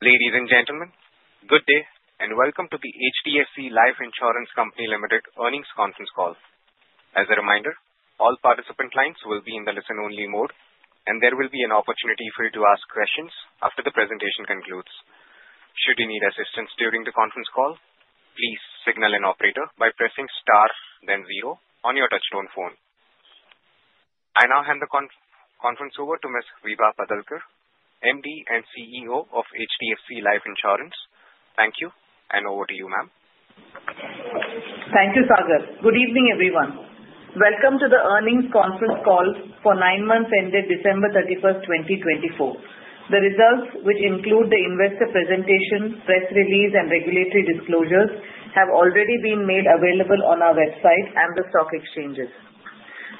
Ladies and gentlemen, good day and welcome to the HDFC Life Insurance Company Limited earnings conference call. As a reminder, all participant lines will be in the listen-only mode, and there will be an opportunity for you to ask questions after the presentation concludes. Should you need assistance during the conference call, please signal an operator by pressing star, then zero, on your touch-tone phone. I now hand the conference over to Ms. Vibha Padalkar, MD and CEO of HDFC Life Insurance. Thank you, and over to you, ma'am. Thank you, Sagar. Good evening, everyone. Welcome to the earnings conference call for nine months ended December 31st, 2024. The results, which include the investor presentation, press release, and regulatory disclosures, have already been made available on our website and the stock exchanges.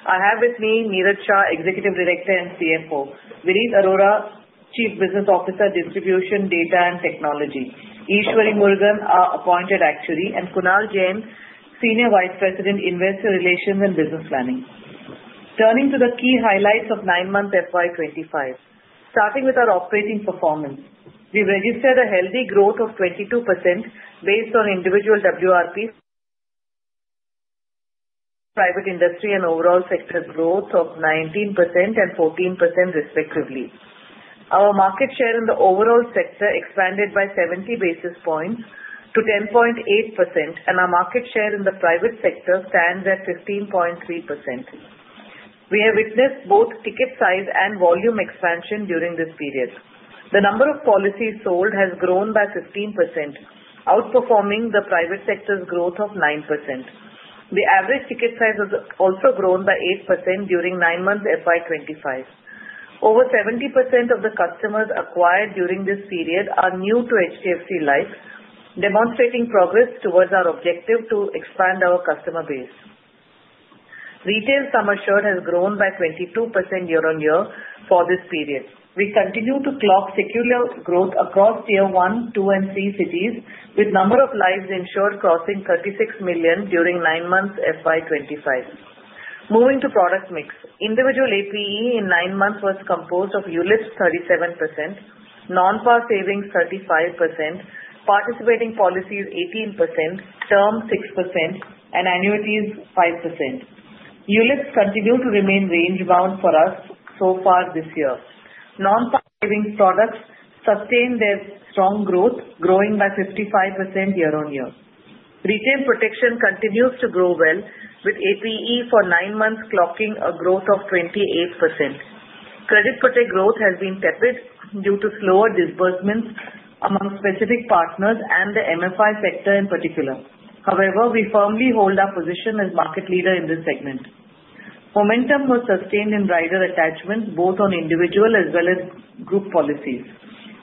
I have with me Niraj Shah, Executive Director and CFO, Vineet Arora, Chief Business Officer, Distribution, Data, and Technology, Eshwari Murugan, our Appointed Actuary, and Kunal Jain, Senior Vice President, Investor Relations and Business Planning. Turning to the key highlights of nine months FY25, starting with our operating performance, we've registered a healthy growth of 22% based on individual WRPs, private industry, and overall sector growth of 19% and 14%, respectively. Our market share in the overall sector expanded by 70 basis points to 10.8%, and our market share in the private sector stands at 15.3%. We have witnessed both ticket size and volume expansion during this period. The number of policies sold has grown by 15%, outperforming the private sector's growth of 9%. The average ticket size has also grown by 8% during nine months FY25. Over 70% of the customers acquired during this period are new to HDFC Life, demonstrating progress towards our objective to expand our customer base. Retail sum assured has grown by 22% year-on-year for this period. We continue to clock secular growth across Tier 1, 2, and 3 cities, with number of lives insured crossing 36 million during nine months FY25. Moving to product mix, individual APE in nine months was composed of ULIPs 37%, non-PAR savings 35%, participating policies 18%, term 6%, and annuities 5%. ULIPs continued to remain range-bound for us so far this year. Non-PAR savings products sustained their strong growth, growing by 55% year-on-year. Retail protection continues to grow well, with APE for nine months clocking a growth of 28%. Credit Protect growth has been tepid due to slower disbursements among specific partners and the MFI sector in particular. However, we firmly hold our position as market leader in this segment. Momentum was sustained in rider attachment, both on individual as well as group policies.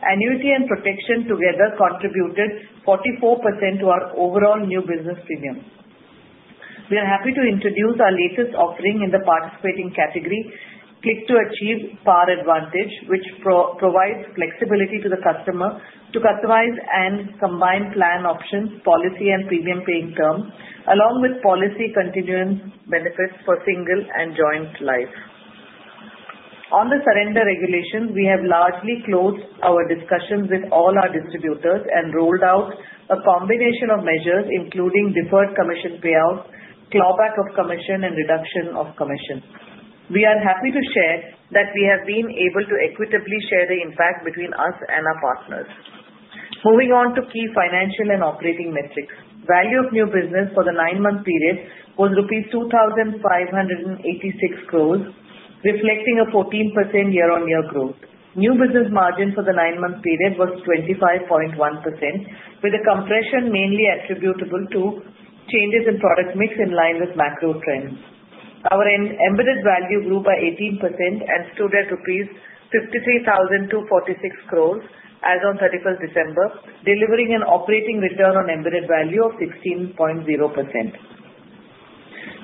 Annuity and protection together contributed 44% to our overall new business premium. We are happy to introduce our latest offering in the participating category, Click 2 Achieve PAR Advantage, which provides flexibility to the customer to customize and combine plan options, policy, and premium paying term, along with policy continuance benefits for single and joint life. On the surrender regulation, we have largely closed our discussions with all our distributors and rolled out a combination of measures, including deferred commission payout, clawback of commission, and reduction of commission. We are happy to share that we have been able to equitably share the impact between us and our partners. Moving on to key financial and operating metrics, value of new business for the nine-month period was rupees 2,586 crores, reflecting a 14% year-on-year growth. New business margin for the nine-month period was 25.1%, with a compression mainly attributable to changes in product mix in line with macro trends. Our embedded value grew by 18% and stood at rupees 53,246 crores as of 31st December, delivering an operating return on embedded value of 16.0%.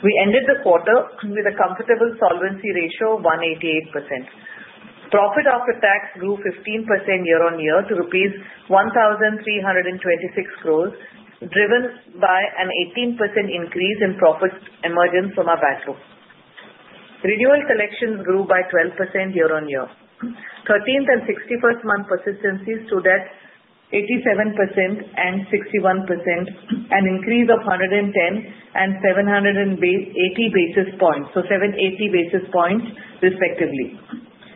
We ended the quarter with a comfortable solvency ratio of 188%. Profit after tax grew 15% year-on-year to rupees 1,326 crores, driven by an 18% increase in profits emerging from our backlog. Renewal collections grew by 12% year-on-year. 13th and 61st month persistency stood at 87% and 61%, an increase of 110 and 780 basis points, so 780 basis points, respectively.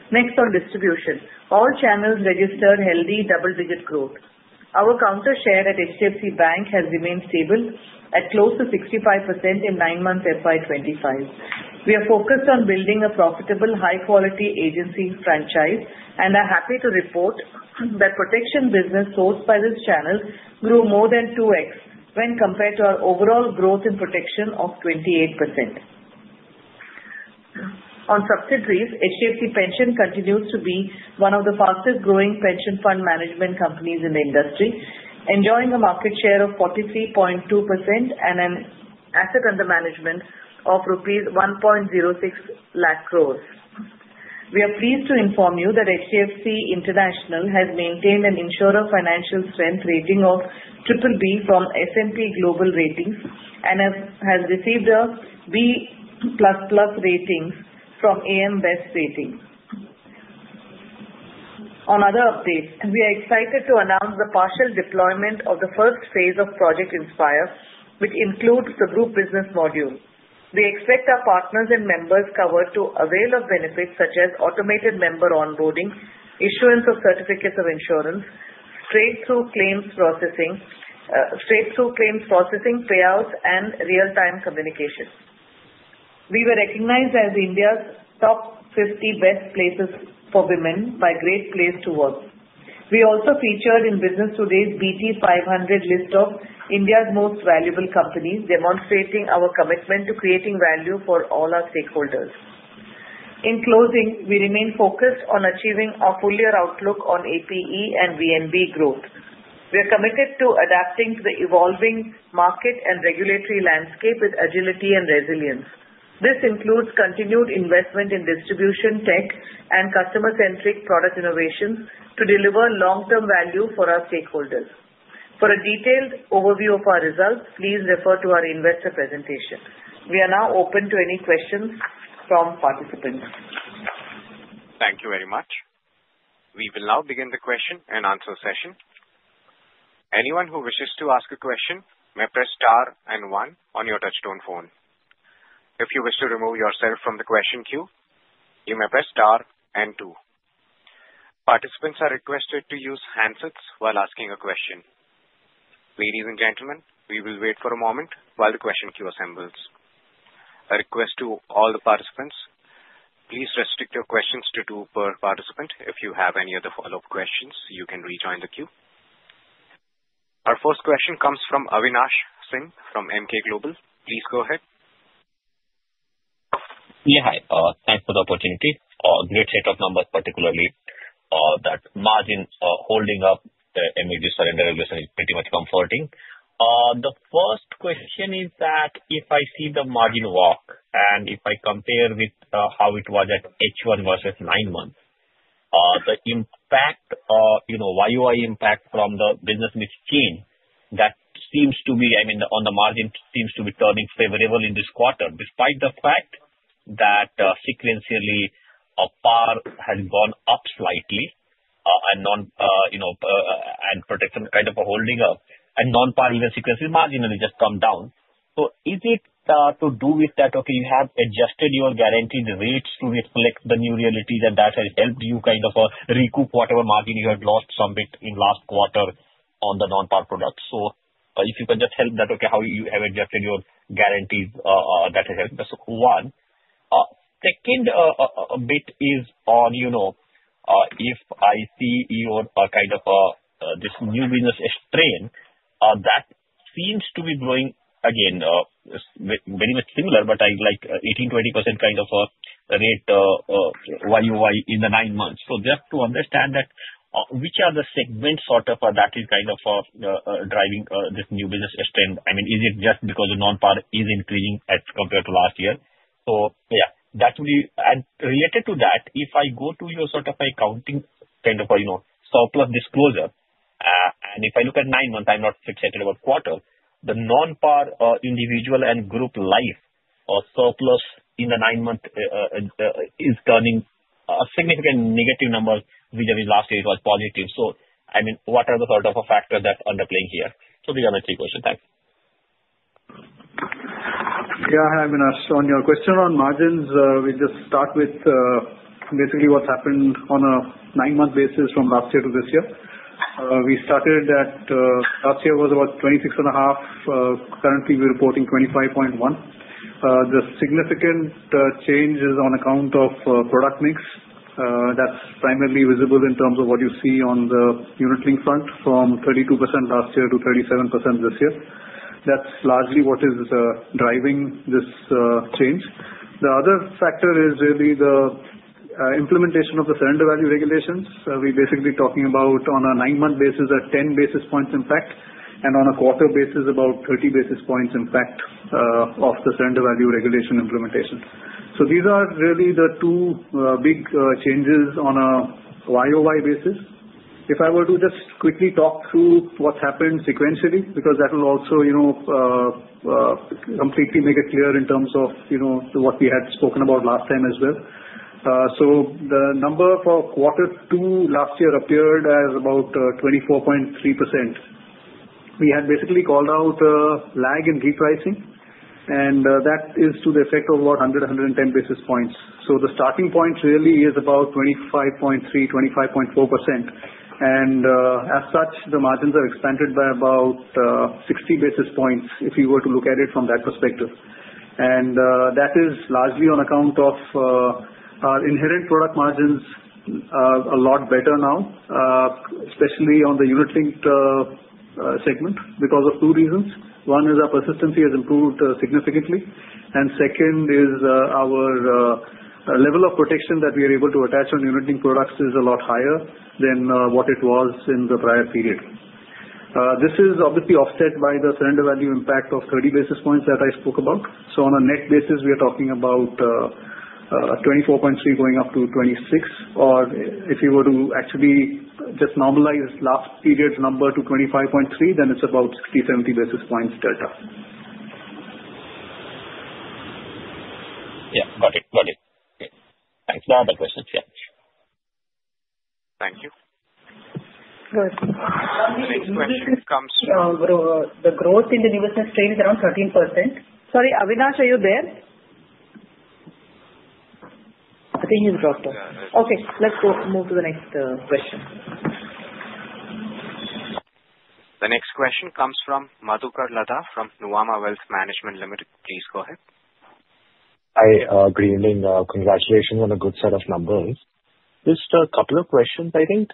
Next, on distribution, all channels registered healthy double-digit growth. Our counter share at HDFC Bank has remained stable at close to 65% in nine months FY25. We are focused on building a profitable, high-quality agency franchise and are happy to report that protection business sold by this channel grew more than 2X when compared to our overall growth in protection of 28%. On subsidiaries, HDFC Pension continues to be one of the fastest-growing pension fund management companies in the industry, enjoying a market share of 43.2% and an asset under management of rupees 1.06 lakh crores. We are pleased to inform you that HDFC International has maintained an insurer financial strength rating of BBB from S&P Global Ratings and has received a B++ rating from AM Best. On other updates, we are excited to announce the partial deployment of the first phase of Project Inspire, which includes the group business module. We expect our partners and members covered to avail of benefits such as automated member onboarding, issuance of certificates of insurance, straight-through claims processing, payouts, and real-time communication. We were recognized as India's top 50 best places for women by Great Place to Work. We also featured in Business Today's BT500 list of India's most valuable companies, demonstrating our commitment to creating value for all our stakeholders. In closing, we remain focused on achieving a fuller outlook on APE and VNB growth. We are committed to adapting to the evolving market and regulatory landscape with agility and resilience. This includes continued investment in distribution tech and customer-centric product innovations to deliver long-term value for our stakeholders. For a detailed overview of our results, please refer to our investor presentation. We are now open to any questions from participants. Thank you very much. We will now begin the question and answer session. Anyone who wishes to ask a question may press star and one on your touch-tone phone. If you wish to remove yourself from the question queue, you may press star and two. Participants are requested to use handsets while asking a question. Ladies and gentlemen, we will wait for a moment while the question queue assembles. A request to all the participants, please restrict your questions to two per participant. If you have any other follow-up questions, you can rejoin the queue. Our first question comes from Avinash Singh from Emkay Global. Please go ahead. Yeah, hi. Thanks for the opportunity. A great set of numbers, particularly that margin holding up. The high surrender regression is pretty much comforting. The first question is that if I see the VNB margin and if I compare with how it was at H1 versus nine months, the impact, VNB impact from the business mix change, that seems to be, I mean, on the margin seems to be turning favorable in this quarter, despite the fact that sequentially PAR has gone up slightly and protection kind of holding up and non-PAR even sequentially marginally just come down. So is it to do with that, okay, you have adjusted your guaranteed rates to reflect the new realities and that has helped you kind of recoup whatever margin you had lost some bit in last quarter on the non-PAR products? So if you can just help that, okay, how you have adjusted your guarantees, that has helped us one. Second bit is on if I see your kind of this new business strain that seems to be growing again, very much similar, but like 18%-20% kind of a rate YoY in the nine months. So just to understand that, which are the segments sort of that is kind of driving this new business strain? I mean, is it just because the non-PAR is increasing as compared to last year? So yeah, that would be and related to that, if I go to your sort of accounting kind of surplus disclosure, and if I look at nine months, I'm not fixated about quarter, the non-PAR individual and group life surplus in the nine months is turning a significant negative number vis-à-vis last year. It was positive. So I mean, what are the sort of factors that are underplaying here? So these are my three questions. Thanks. Yeah, hi Avinash. So on your question on margins, we'll just start with basically what's happened on a nine-month basis from last year to this year. We started at last year was about 26 and a half. Currently, we're reporting 25.1. The significant change is on account of product mix. That's primarily visible in terms of what you see on the unit link front from 32% last year to 37% this year. That's largely what is driving this change. The other factor is really the implementation of the surrender value regulations. We're basically talking about on a nine-month basis, a 10 basis points impact, and on a quarter basis, about 30 basis points impact of the surrender value regulation implementation. So these are really the two big changes on a YOY basis. If I were to just quickly talk through what's happened sequentially, because that will also completely make it clear in terms of what we had spoken about last time as well. The number for quarter two last year appeared as about 24.3%. We had basically called out lag in repricing, and that is to the effect of about 100-110 basis points. The starting point really is about 25.3%-25.4%. The margins are expanded by about 60 basis points if you were to look at it from that perspective. That is largely on account of our inherent product margins are a lot better now, especially on the unit linked segment because of two reasons. One is our persistency has improved significantly. Second is our level of protection that we are able to attach on unit-linked products is a lot higher than what it was in the prior period. This is obviously offset by the surrender value impact of 30 basis points that I spoke about. On a net basis, we are talking about 24.3-26. If you were to actually just normalize last period's number to 25.3, then it's about 60-70 basis points delta. Yeah, got it. Got it. Thanks. No other questions. Yeah. Thank you. Good. Next question comes from. The growth in the new business strain is around 13%. Sorry, Avinash, are you there? I think he's dropped off. Okay. Let's move to the next question. The next question comes from Madhukar Ladha from Nuvama Wealth Management Limited. Please go ahead. Hi, greetings. Congratulations on a good set of numbers. Just a couple of questions. I think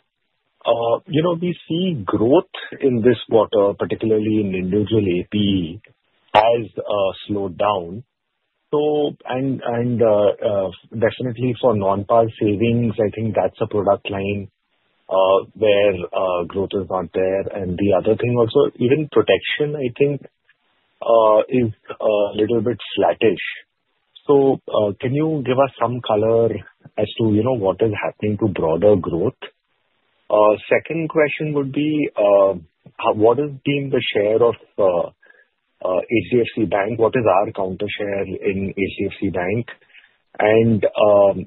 the growth we see in this quarter, particularly in individual APE, has slowed down, and definitely for non-PAR savings, I think that's a product line where growth is not there, and the other thing also, even protection, I think, is a little bit sluggish, so can you give us some color as to what is happening to broader growth? Second question would be, what has been the share of HDFC Bank? What is our counter share in HDFC Bank, and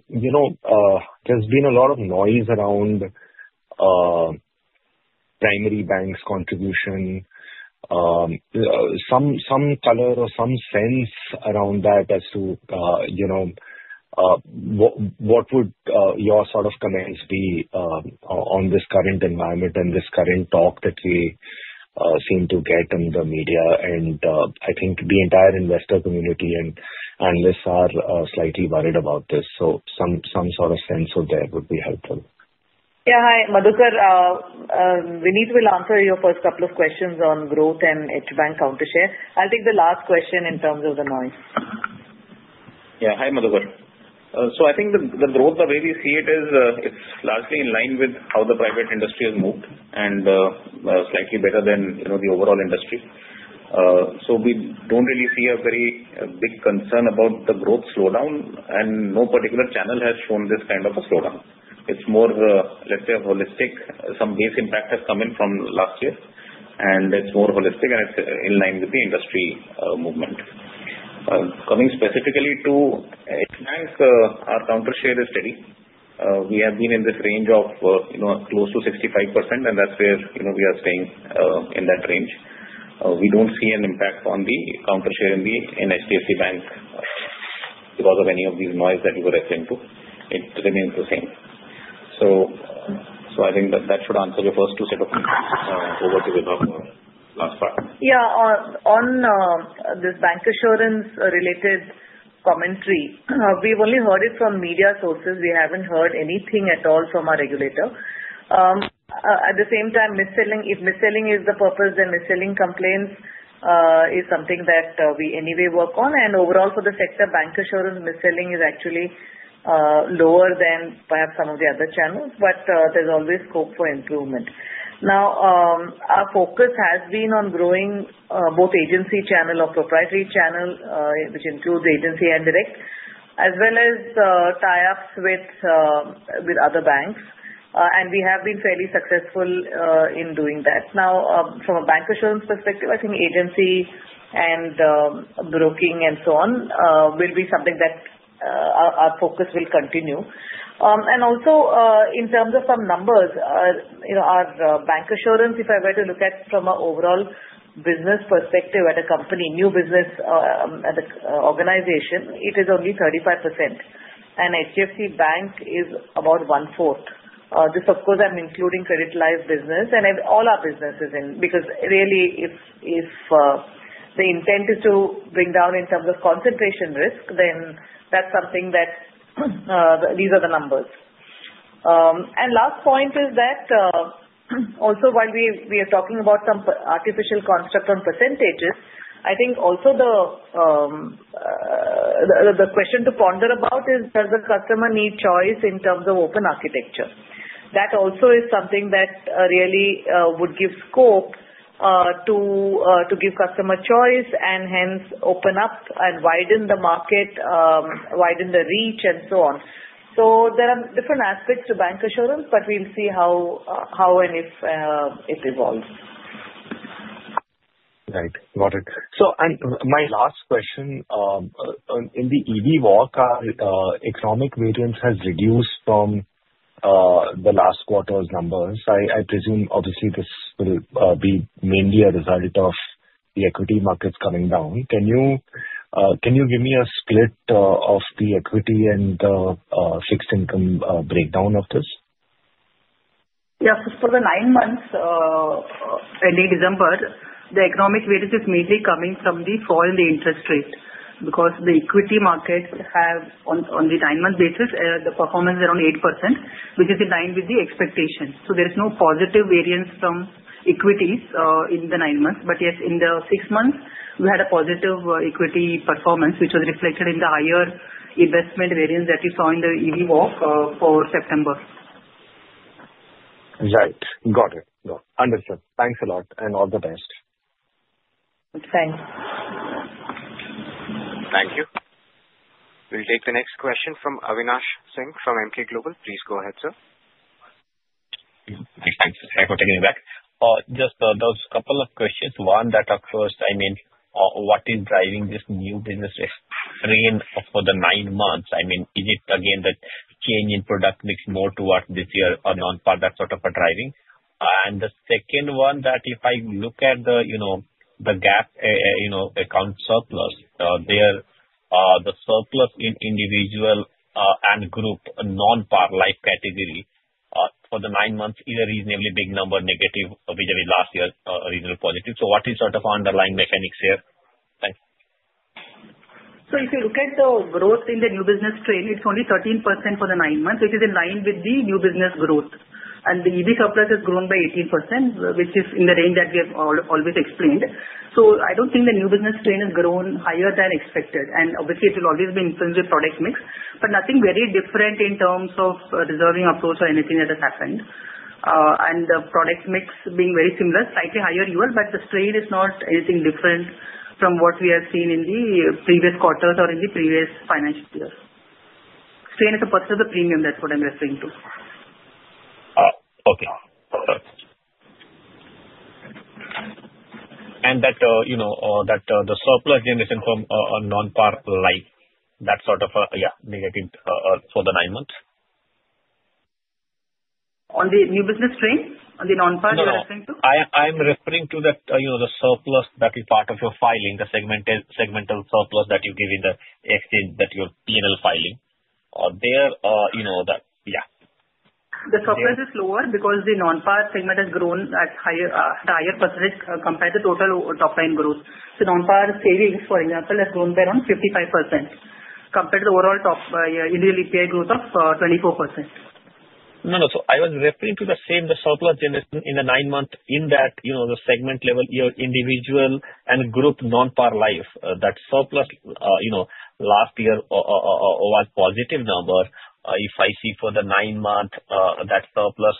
there's been a lot of noise around primary banks' contribution? Some color or some sense around that as to what would your sort of comments be on this current environment and this current talk that we seem to get in the media? I think the entire investor community and analysts are slightly worried about this. Some sort of sense of that would be helpful. Yeah, hi. Madhukar, we need to answer your first couple of questions on growth and HDFC Bank counter share. I'll take the last question in terms of the noise. Yeah. Hi, Madhukar. So I think the growth, the way we see it, is it's largely in line with how the private industry has moved and slightly better than the overall industry. So we don't really see a very big concern about the growth slowdown, and no particular channel has shown this kind of a slowdown. It's more, let's say, a holistic. Some base impact has come in from last year, and it's more holistic, and it's in line with the industry movement. Coming specifically to HDFC Bank, our counter share is steady. We have been in this range of close to 65%, and that's where we are staying in that range. We don't see an impact on the counter share in HDFC Bank because of any of these noise that you were referring to. It remains the same. So, I think that that should answer your first two set of questions. Over to Vibha for the last part. Yeah. On this bancassurance-related commentary, we've only heard it from media sources. We haven't heard anything at all from our regulator. At the same time, if mis-selling is the purpose, then mis-selling complaints is something that we anyway work on. And overall, for the sector, bancassurance mis-selling is actually lower than perhaps some of the other channels, but there's always scope for improvement. Now, our focus has been on growing both agency channel or proprietary channel, which includes agency and direct, as well as tie-ups with other banks. And we have been fairly successful in doing that. Now, from a bancassurance perspective, I think agency and broking and so on will be something that our focus will continue. Also, in terms of some numbers, our bancassurance, if I were to look at from an overall business perspective at a company, new business organization, it is only 35%. And HDFC Bank is about one-fourth. This, of course, I'm including credit life business and all our businesses in, because really, if the intent is to bring down in terms of concentration risk, then that's something that these are the numbers. And last point is that also while we are talking about some artificial construct on percentages, I think also the question to ponder about is, does the customer need choice in terms of open architecture? That also is something that really would give scope to give customer choice and hence open up and widen the market, widen the reach, and so on. So there are different aspects to bancassurance, but we'll see how and if it evolves. Right. Got it, so my last question, in the EV walk, our economic variance has reduced from the last quarter's numbers. I presume, obviously, this will be mainly a result of the equity markets coming down. Can you give me a split of the equity and the fixed income breakdown of this? Yeah. So for the nine months, early December, the economic variance is mainly coming from the fall in the interest rate because the equity markets have, on the nine-month basis, the performance is around 8%, which is in line with the expectation. So there is no positive variance from equities in the nine months. But yes, in the six months, we had a positive equity performance, which was reflected in the higher investment variance that you saw in the EV walk for September. Right. Got it. Understood. Thanks a lot and all the best. Thanks. Thank you. We'll take the next question from Avinash Singh from Emkay Global. Please go ahead, sir. Thanks for taking me back. Just those couple of questions. One that occurs, I mean, what is driving this new business range for the nine months? I mean, is it again that change in product mix more towards PAR or non-PAR, that sort of a driving? And the second one that if I look at the GAAP surplus, the surplus in individual and group non-PAR life category for the nine months is a reasonably big number negative vis-à-vis last year's reasonable positive. So what is sort of underlying mechanics here? Thanks. So if you look at the growth in the new business strain, it's only 13% for the nine months, which is in line with the new business growth. And the EV surplus has grown by 18%, which is in the range that we have always explained. So I don't think the new business strain has grown higher than expected. And obviously, it will always be influenced by product mix, but nothing very different in terms of reserving approach or anything that has happened. And the product mix being very similar, slightly higher UL, but the strain is not anything different from what we have seen in the previous quarters or in the previous financial years. Strain is a part of the premium, that's what I'm referring to. Okay. Perfect, and that the surplus generation from non-PAR life, that sort of, yeah, negative for the nine months? On the new business strain? On the non-PAR you are referring to? No, I'm referring to that the surplus that is part of your filing, the segmental surplus that you give in the exchange that your P&L filing. There, yeah. The surplus is lower because the non-PAR segment has grown at higher percentage compared to total top-line growth. So non-PAR savings, for example, has grown by around 55% compared to the overall individual APE growth of 24%. No, no. So I was referring to the same, the surplus generation in the nine months in that the segment level, your individual and group non-PAR life, that surplus last year was positive number. If I see for the nine months, that surplus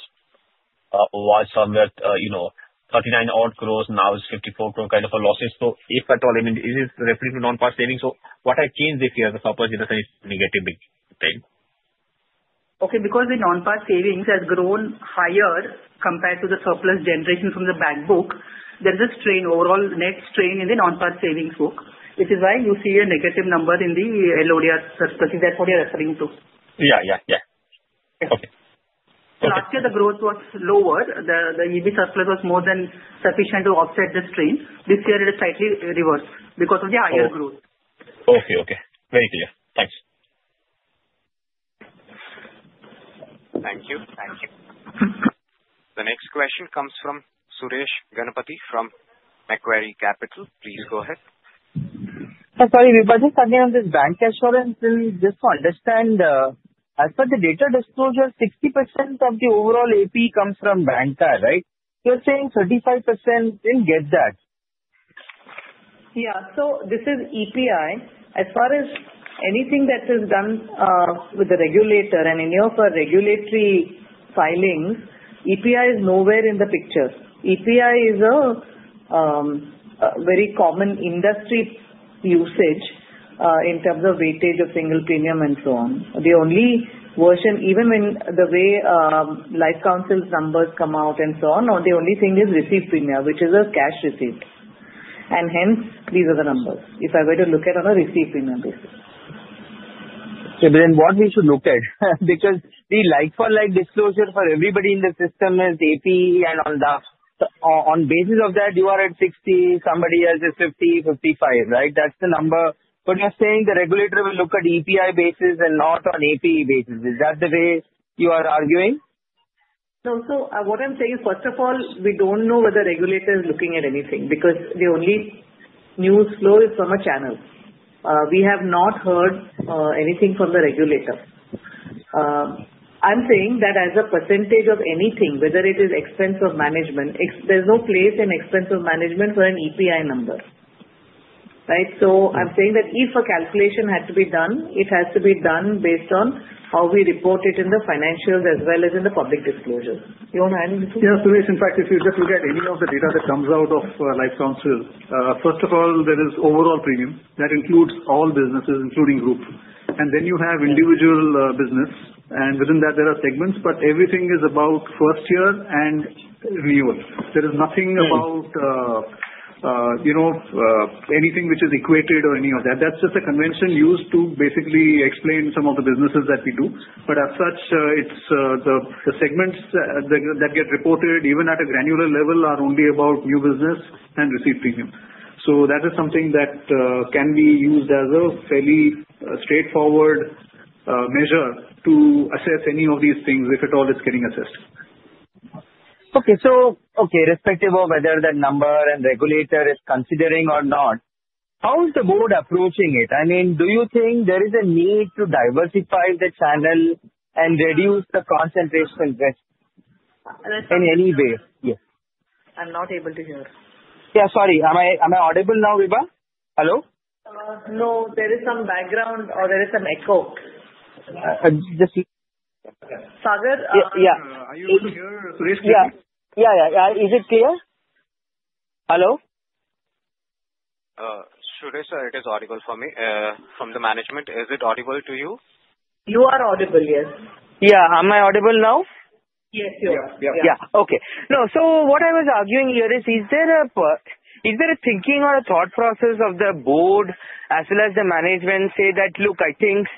was somewhere 39-odd gross, now it's 54 gross kind of a losses. So if at all, I mean, is it referring to non-PAR savings? So what has changed this year? The surplus generation is negative big thing. Okay. Because the non-PAR savings has grown higher compared to the surplus generation from the bank book, there is a strain, overall net strain in the non-PAR savings book, which is why you see a negative number in the LODR surplus. Is that what you're referring to? Yeah, yeah, yeah. Last year, the growth was lower. The EV surplus was more than sufficient to offset the strain. This year, it is slightly reversed because of the higher growth. Okay, okay. Very clear. Thanks. Thank you. Thank you. The next question comes from Suresh Ganapati from Macquarie Capital. Please go ahead. Sorry, Vibha, just again on this bancassurance, just to understand, as per the data disclosure, 60% of the overall AP comes from banca, right? You're saying 35% didn't get that. Yeah. So this is APE. As far as anything that is done with the regulator and any of our regulatory filings, APE is nowhere in the picture. APE is a very common industry usage in terms of weightage of single premium and so on. The only version, even when the life insurers' numbers come out and so on, the only thing is received premium, which is a cash receipt. And hence, these are the numbers if I were to look at on a received premium basis. So then what we should look at? Because the like-for-like disclosure for everybody in the system is APE and on basis of that, you are at 60, somebody else is 50, 55, right? That's the number. But you're saying the regulator will look at EPI basis and not on APE basis. Is that the way you are arguing? No. So what I'm saying, first of all, we don't know whether the regulator is looking at anything because the only news flow is from a channel. We have not heard anything from the regulator. I'm saying that as a percentage of anything, whether it is Expense of Management, there's no place in Expense of Management for an EPI number, right? So I'm saying that if a calculation had to be done, it has to be done based on how we report it in the financials as well as in the public disclosure. You don't have anything? Yeah, Suresh, in fact, if you just look at any of the data that comes out of life insurers, first of all, there is overall premium that includes all businesses, including group. And then you have individual business, and within that, there are segments, but everything is about first year and renewal. There is nothing about anything which is equated or any of that. That's just a convention used to basically explain some of the businesses that we do. But as such, the segments that get reported, even at a granular level, are only about new business and received premium. So that is something that can be used as a fairly straightforward measure to assess any of these things, if at all, it's getting assessed. So, irrespective of whether that number and regulator is considering or not, how is the board approaching it? I mean, do you think there is a need to diversify the channel and reduce the concentration risk in any way? I'm not able to hear. Yeah, sorry. Am I audible now, Vibha? Hello? No. There is some background or there is some echo. Just. Sagar? Yeah. Are you able to hear Suresh clearly? Yeah, yeah, yeah. Is it clear? Hello? Suresh, it is audible for me from the management. Is it audible to you? You are audible, yes. Yeah. Am I audible now? Yes, you are. Yeah, yeah. Yeah. Okay. No, so what I was arguing here is, is there a thinking or a thought process of the board as well as the management say that, "Look, I think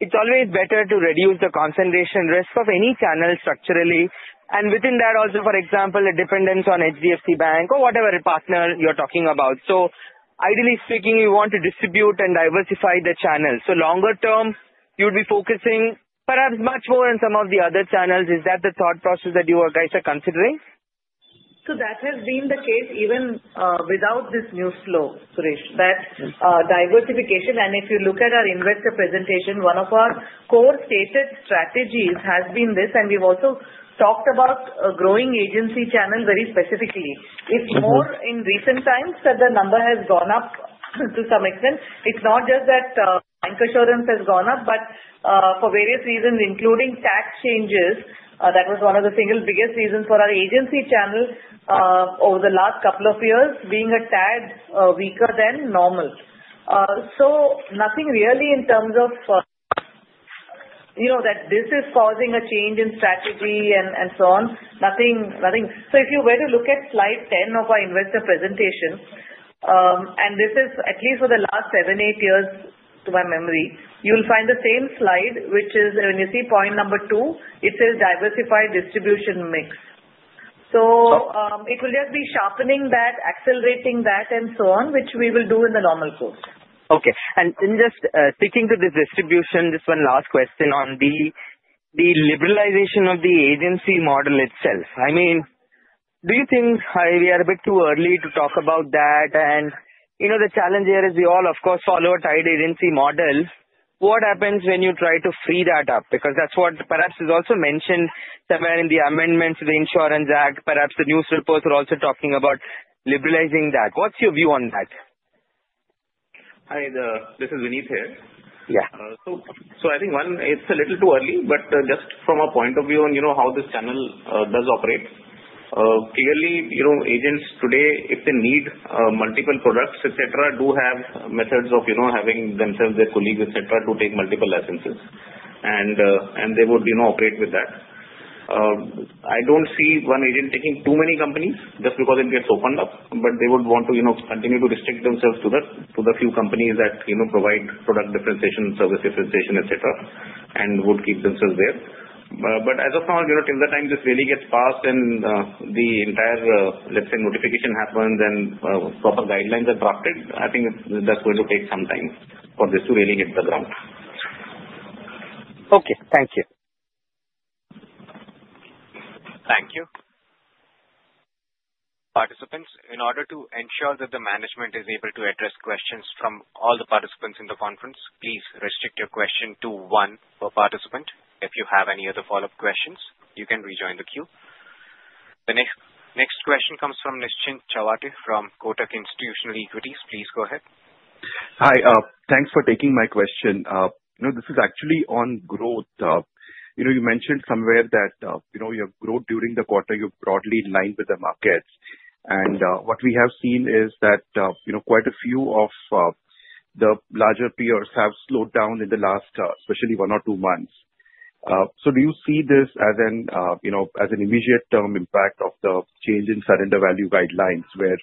it's always better to reduce the concentration risk of any channel structurally." And within that also, for example, a dependence on HDFC Bank or whatever partner you're talking about. So ideally speaking, you want to distribute and diversify the channel. So longer term, you'd be focusing perhaps much more on some of the other channels. Is that the thought process that you guys are considering? So that has been the case even without this new flow, Suresh, that diversification. And if you look at our investor presentation, one of our core stated strategies has been this. And we've also talked about growing agency channel very specifically. It's more in recent times that the number has gone up to some extent. It's not just that bancassurance has gone up, but for various reasons, including tax changes. That was one of the single biggest reasons for our agency channel over the last couple of years being a tad weaker than normal. So nothing really in terms of that this is causing a change in strategy and so on. So, if you were to look at slide 10 of our investor presentation, and this is at least for the last seven, eight years, to my memory, you'll find the same slide, which is when you see point number two, it says diversified distribution mix. So it will just be sharpening that, accelerating that, and so on, which we will do in the normal course. Okay. And just sticking to this distribution, just one last question on the liberalization of the agency model itself. I mean, do you think we are a bit too early to talk about that? And the challenge here is we all, of course, follow a tight agency model. What happens when you try to free that up? Because that's what perhaps is also mentioned somewhere in the amendments to the Insurance Act. Perhaps the news reports are also talking about liberalizing that. What's your view on that? Hi, this is Avinash here. Yeah. So I think, one, it's a little too early, but just from a point of view on how this channel does operate, clearly, agents today, if they need multiple products, etc., do have methods of having themselves, their colleagues, etc., to take multiple licenses. And they would operate with that. I don't see one agent taking too many companies just because it gets opened up, but they would want to continue to restrict themselves to the few companies that provide product differentiation, service differentiation, etc., and would keep themselves there. But as of now, till the time this really gets passed and the entire, let's say, notification happens and proper guidelines are drafted, I think that's going to take some time for this to really hit the ground. Okay. Thank you. Thank you. Participants, in order to ensure that the management is able to address questions from all the participants in the conference, please restrict your question to one per participant. If you have any other follow-up questions, you can rejoin the queue. The next question comes from Nischint Chawathe from Kotak Institutional Equities. Please go ahead. Hi. Thanks for taking my question. This is actually on growth. You mentioned somewhere that your growth during the quarter, you're broadly in line with the markets. And what we have seen is that quite a few of the larger peers have slowed down in the last, especially one or two months. So do you see this as an immediate-term impact of the change in surrender value guidelines, where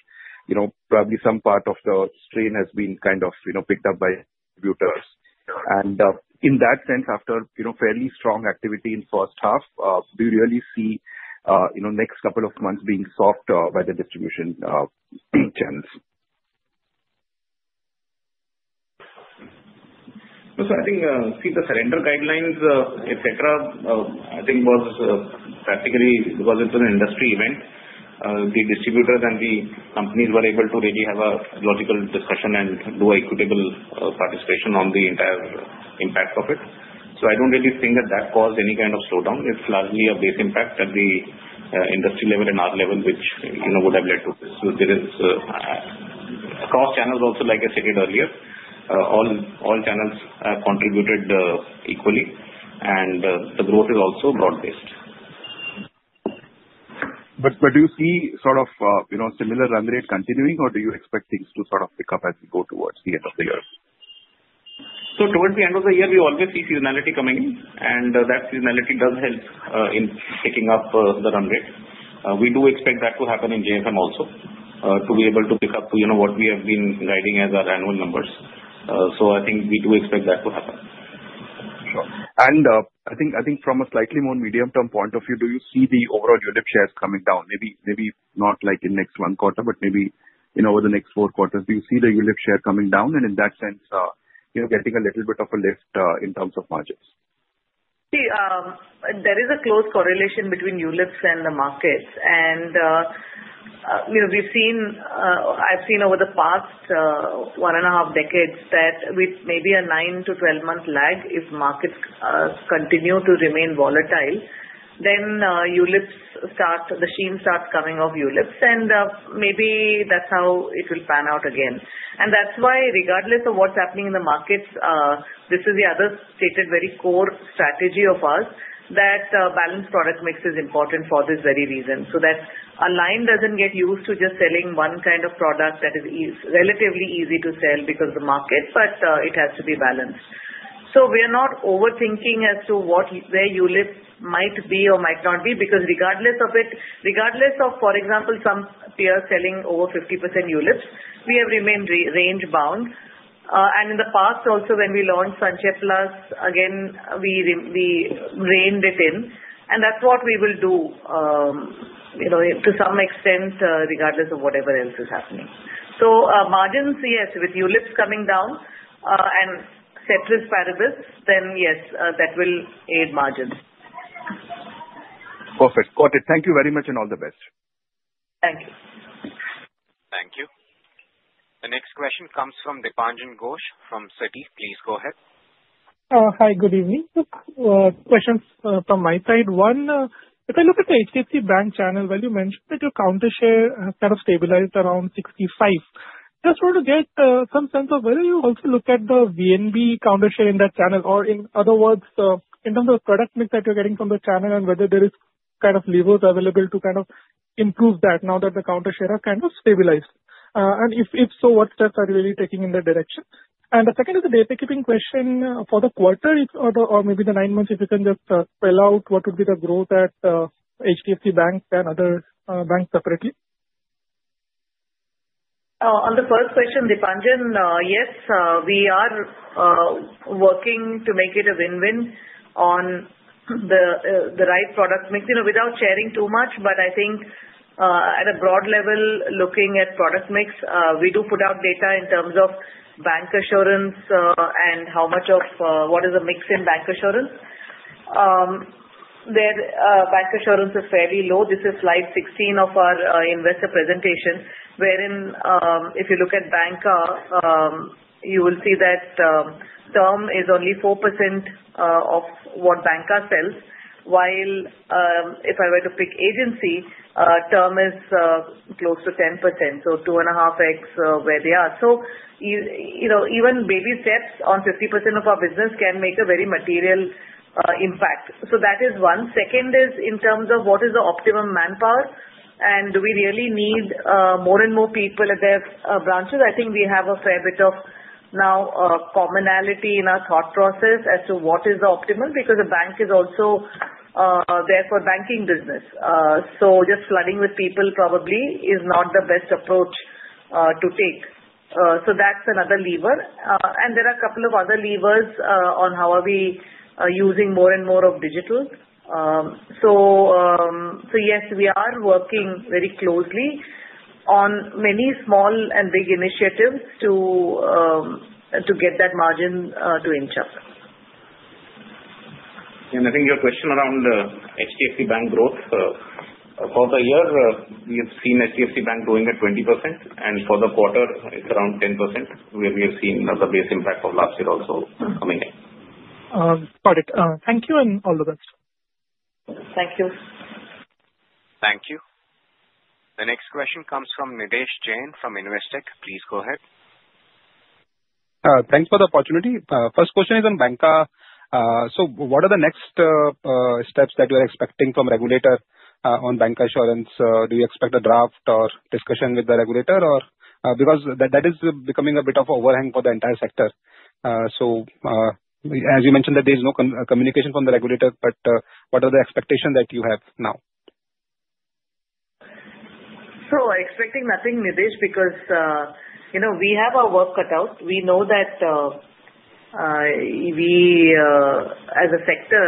probably some part of the strain has been kind of picked up by distributors? And in that sense, after fairly strong activity in the first half, do you really see next couple of months being soft by the distribution channels? So I think the surrender guidelines, etc., I think was practically because it was an industry event, the distributors and the companies were able to really have a logical discussion and do equitable participation on the entire impact of it. So I don't really think that that caused any kind of slowdown. It's largely a base impact at the industry level and our level, which would have led to this. So there is across channels also, like I stated earlier, all channels contributed equally, and the growth is also broad-based. But do you see sort of similar run rate continuing, or do you expect things to sort of pick up as we go towards the end of the year? So towards the end of the year, we always see seasonality coming in, and that seasonality does help in picking up the run rate. We do expect that to happen in JFM also to be able to pick up what we have been riding as our annual numbers. So I think we do expect that to happen. Sure. And I think from a slightly more medium-term point of view, do you see the overall ULIP shares coming down? Maybe not in the next one quarter, but maybe over the next four quarters, do you see the ULIP share coming down? And in that sense, getting a little bit of a lift in terms of margins? See, there is a close correlation between ULIPs and the markets. And I've seen over the past one and a half decades that with maybe a nine to 12-month lag, if markets continue to remain volatile, then the sheen starts coming off ULIPs, and maybe that's how it will pan out again. And that's why, regardless of what's happening in the markets, this is the other stated very core strategy of ours, that balanced product mix is important for this very reason. So that a line doesn't get used to just selling one kind of product that is relatively easy to sell because of the market, but it has to be balanced. So we are not overthinking as to where ULIP might be or might not be because regardless of it, regardless of, for example, some peers selling over 50% ULIPs, we have remained range-bound. And in the past, also when we launched Sanchay Plus, again, we reined it in. And that's what we will do to some extent, regardless of whatever else is happening. So margins, yes, with ULIPs coming down and ceteris paribus then yes, that will aid margins. Perfect. Got it. Thank you very much and all the best. Thank you. Thank you. The next question comes from Dipanjan Ghosh from Citi. Please go ahead. Hi, good evening. Questions from my side. One, if I look at the HDFC Bank channel, well, you mentioned that your market share kind of stabilized around 65%. Just want to get some sense of whether you also look at the VNB market share in that channel, or in other words, in terms of the product mix that you're getting from the channel and whether there is kind of levers available to kind of improve that now that the market share has kind of stabilized. And if so, what steps are you really taking in that direction? And the second is a housekeeping question for the quarter or maybe the nine months. If you can just spell out what would be the growth at HDFC Bank and other banks separately. On the first question, Dipanjan, yes, we are working to make it a win-win on the right product mix without sharing too much. But I think at a broad level, looking at product mix, we do put out data in terms of bancassurance and how much of what is the mix in bancassurance. There, bancassurance is fairly low. This is slide 16 of our investor presentation, wherein if you look at bancassurance, you will see that term is only 4% of what bancassurance sells, while if I were to pick agency, term is close to 10%, so 2.5x where they are. So that is one. Second is in terms of what is the optimum manpower, and do we really need more and more people at their branches? I think we have a fair bit of now commonality in our thought process as to what is the optimum because a bank is also there for banking business. So just flooding with people probably is not the best approach to take. So that's another lever. And there are a couple of other levers on how are we using more and more of digital. So yes, we are working very closely on many small and big initiatives to get that margin to inch up. I think your question around HDFC Bank growth for the year, we have seen HDFC Bank growing at 20%, and for the quarter, it's around 10%, where we have seen the base impact of last year also coming in. Got it. Thank you and all the best. Thank you. Thank you. The next question comes from Nidhesh Jain from Investec. Please go ahead. Thanks for the opportunity. First question is on bancassurance. So what are the next steps that you are expecting from regulator on bancassurance? Do you expect a draft or discussion with the regulator? Because that is becoming a bit of overhang for the entire sector. So as you mentioned that there is no communication from the regulator, but what are the expectations that you have now? Sure. Expecting nothing, Nitesh, because we have our work cut out. We know that we, as a sector,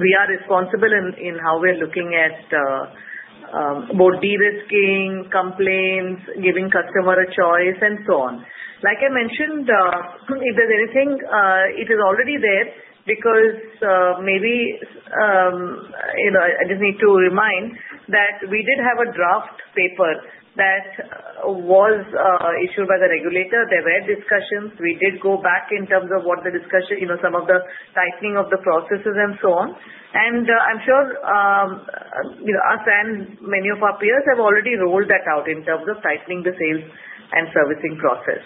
we are responsible in how we're looking at both de-risking, complaints, giving customer a choice, and so on. Like I mentioned, if there's anything, it is already there because maybe I just need to remind that we did have a draft paper that was issued by the regulator. There were discussions. We did go back in terms of what the discussion, some of the tightening of the processes and so on. And I'm sure us and many of our peers have already rolled that out in terms of tightening the sales and servicing process.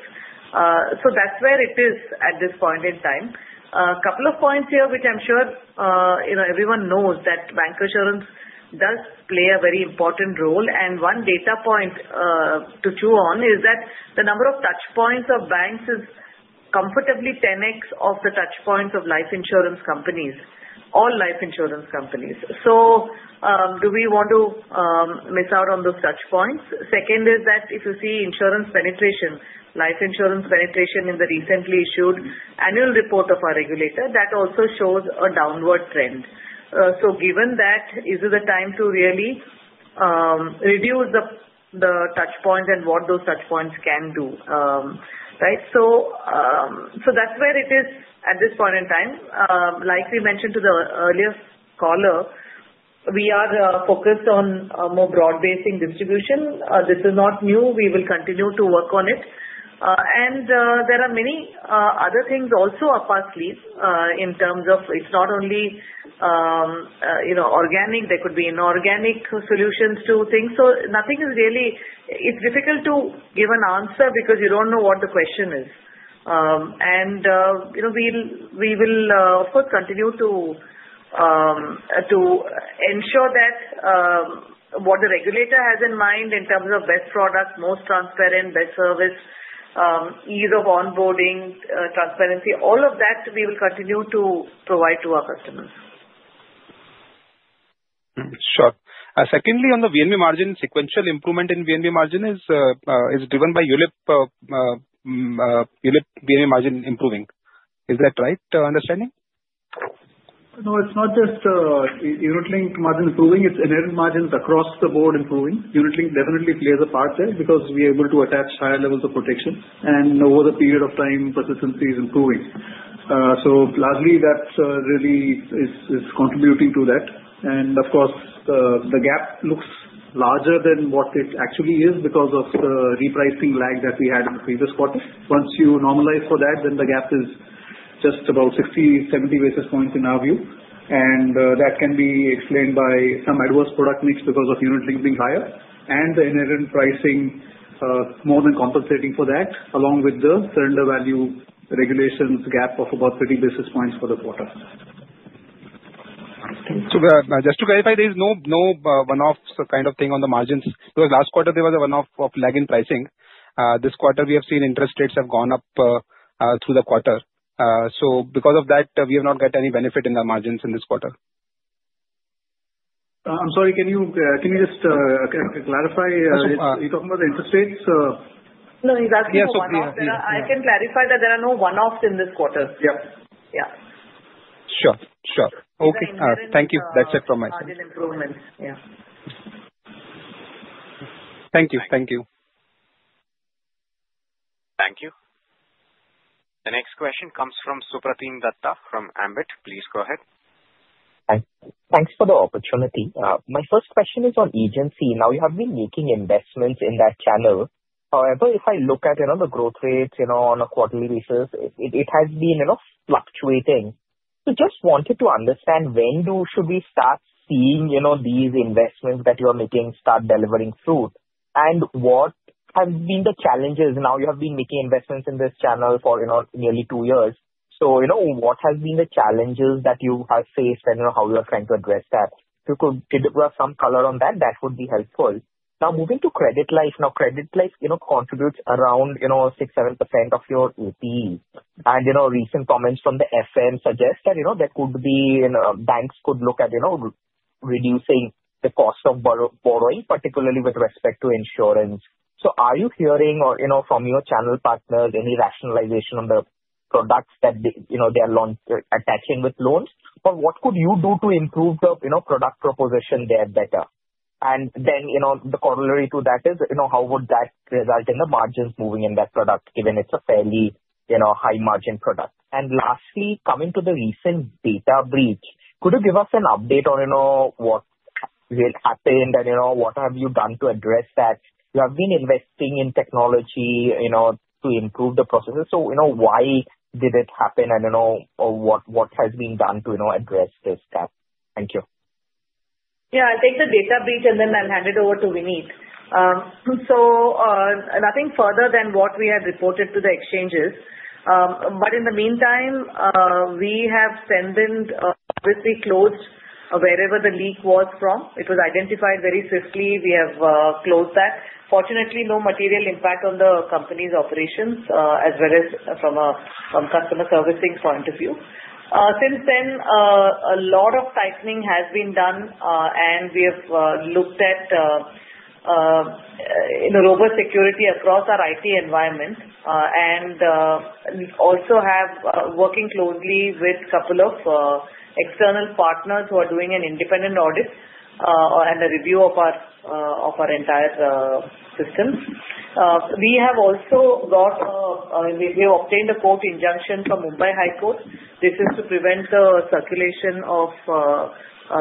So that's where it is at this point in time. A couple of points here, which I'm sure everyone knows that bancassurance does play a very important role. One data point to chew on is that the number of touchpoints of banks is comfortably 10x of the touchpoints of life insurance companies, all life insurance companies. So do we want to miss out on those touchpoints? Second is that if you see insurance penetration, life insurance penetration in the recently issued annual report of our regulator, that also shows a downward trend. So given that, is it the time to really reduce the touchpoints and what those touchpoints can do? Right? So that's where it is at this point in time. Like we mentioned to the earlier caller, we are focused on a more broad-basing distribution. This is not new. We will continue to work on it. And there are many other things also up our sleeves in terms of it's not only organic. There could be inorganic solutions to things. Nothing is really. It's difficult to give an answer because you don't know what the question is. And we will, of course, continue to ensure that what the regulator has in mind in terms of best product, most transparent, best service, ease of onboarding, transparency, all of that, we will continue to provide to our customers. Sure. Secondly, on the VNB margin, sequential improvement in VNB margin is driven by ULIP VNB margin improving. Is that right? Understanding? No, it's not just unit-linked margin improving. It's inherent margins across the board improving. Unit-linked definitely plays a part there because we are able to attach higher levels of protection, and over the period of time, persistency is improving. So largely, that really is contributing to that. And of course, the gap looks larger than what it actually is because of the repricing lag that we had in the previous quarter. Once you normalize for that, then the gap is just about 60-70 basis points in our view. And that can be explained by some adverse product mix because of unit-linked being higher, and the inherent pricing more than compensating for that, along with the surrender value regulation gap of about 30 basis points for the quarter. So just to clarify, there is no one-off kind of thing on the margins? Because last quarter, there was a one-off of lag in pricing. This quarter, we have seen interest rates have gone up through the quarter. So because of that, we have not got any benefit in the margins in this quarter. I'm sorry, can you just clarify? Are you talking about the interest rates? No, exactly. Yeah, sorry. I can clarify that there are no one-offs in this quarter. Yeah. Yeah. Sure. Sure. Okay. Thank you. That's it from my side. Margin improvement. Yeah. Thank you. Thank you. Thank you. The next question comes from Supratim Datta from Ambit. Please go ahead. Hi. Thanks for the opportunity. My first question is on agency. Now, you have been making investments in that channel. However, if I look at the growth rates on a quarterly basis, it has been fluctuating. So just wanted to understand when should we start seeing these investments that you are making start bearing fruit? And what have been the challenges? Now, you have been making investments in this channel for nearly two years. So what have been the challenges that you have faced and how you are trying to address that? If you could give some color on that, that would be helpful. Now, moving to credit life. Now, credit life contributes around 6%-7% of your APE. And recent comments from the FM suggest that banks could look at reducing the cost of borrowing, particularly with respect to insurance. So are you hearing from your channel partners any rationalization on the products that they are attaching with loans? Or what could you do to improve the product proposition there better? And then the corollary to that is, how would that result in the margins moving in that product, given it's a fairly high-margin product? And lastly, coming to the recent data breach, could you give us an update on what happened and what have you done to address that? You have been investing in technology to improve the processes. So why did it happen and what has been done to address this gap? Thank you. Yeah. I'll take the data breach and then I'll hand it over to Vineet. So nothing further than what we have reported to the exchanges. But in the meantime, we have obviously closed wherever the leak was from. It was identified very swiftly. We have closed that. Fortunately, no material impact on the company's operations as well as from a customer servicing point of view. Since then, a lot of tightening has been done, and we have looked at robust security across our IT environment and also have been working closely with a couple of external partners who are doing an independent audit and a review of our entire system. We have also obtained a court injunction from the Mumbai High Court. This is to prevent the circulation of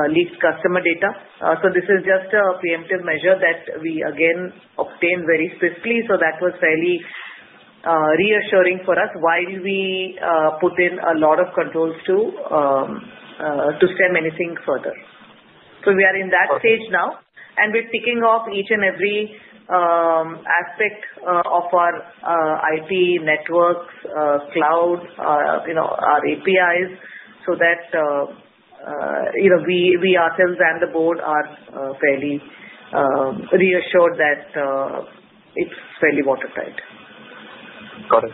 leaked customer data. So this is just a preemptive measure that we, again, obtained very swiftly. So that was fairly reassuring for us while we put in a lot of controls to stem anything further. So we are in that stage now, and we're ticking off each and every aspect of our IT networks, cloud, our APIs, so that we ourselves and the board are fairly reassured that it's fairly watertight. Got it.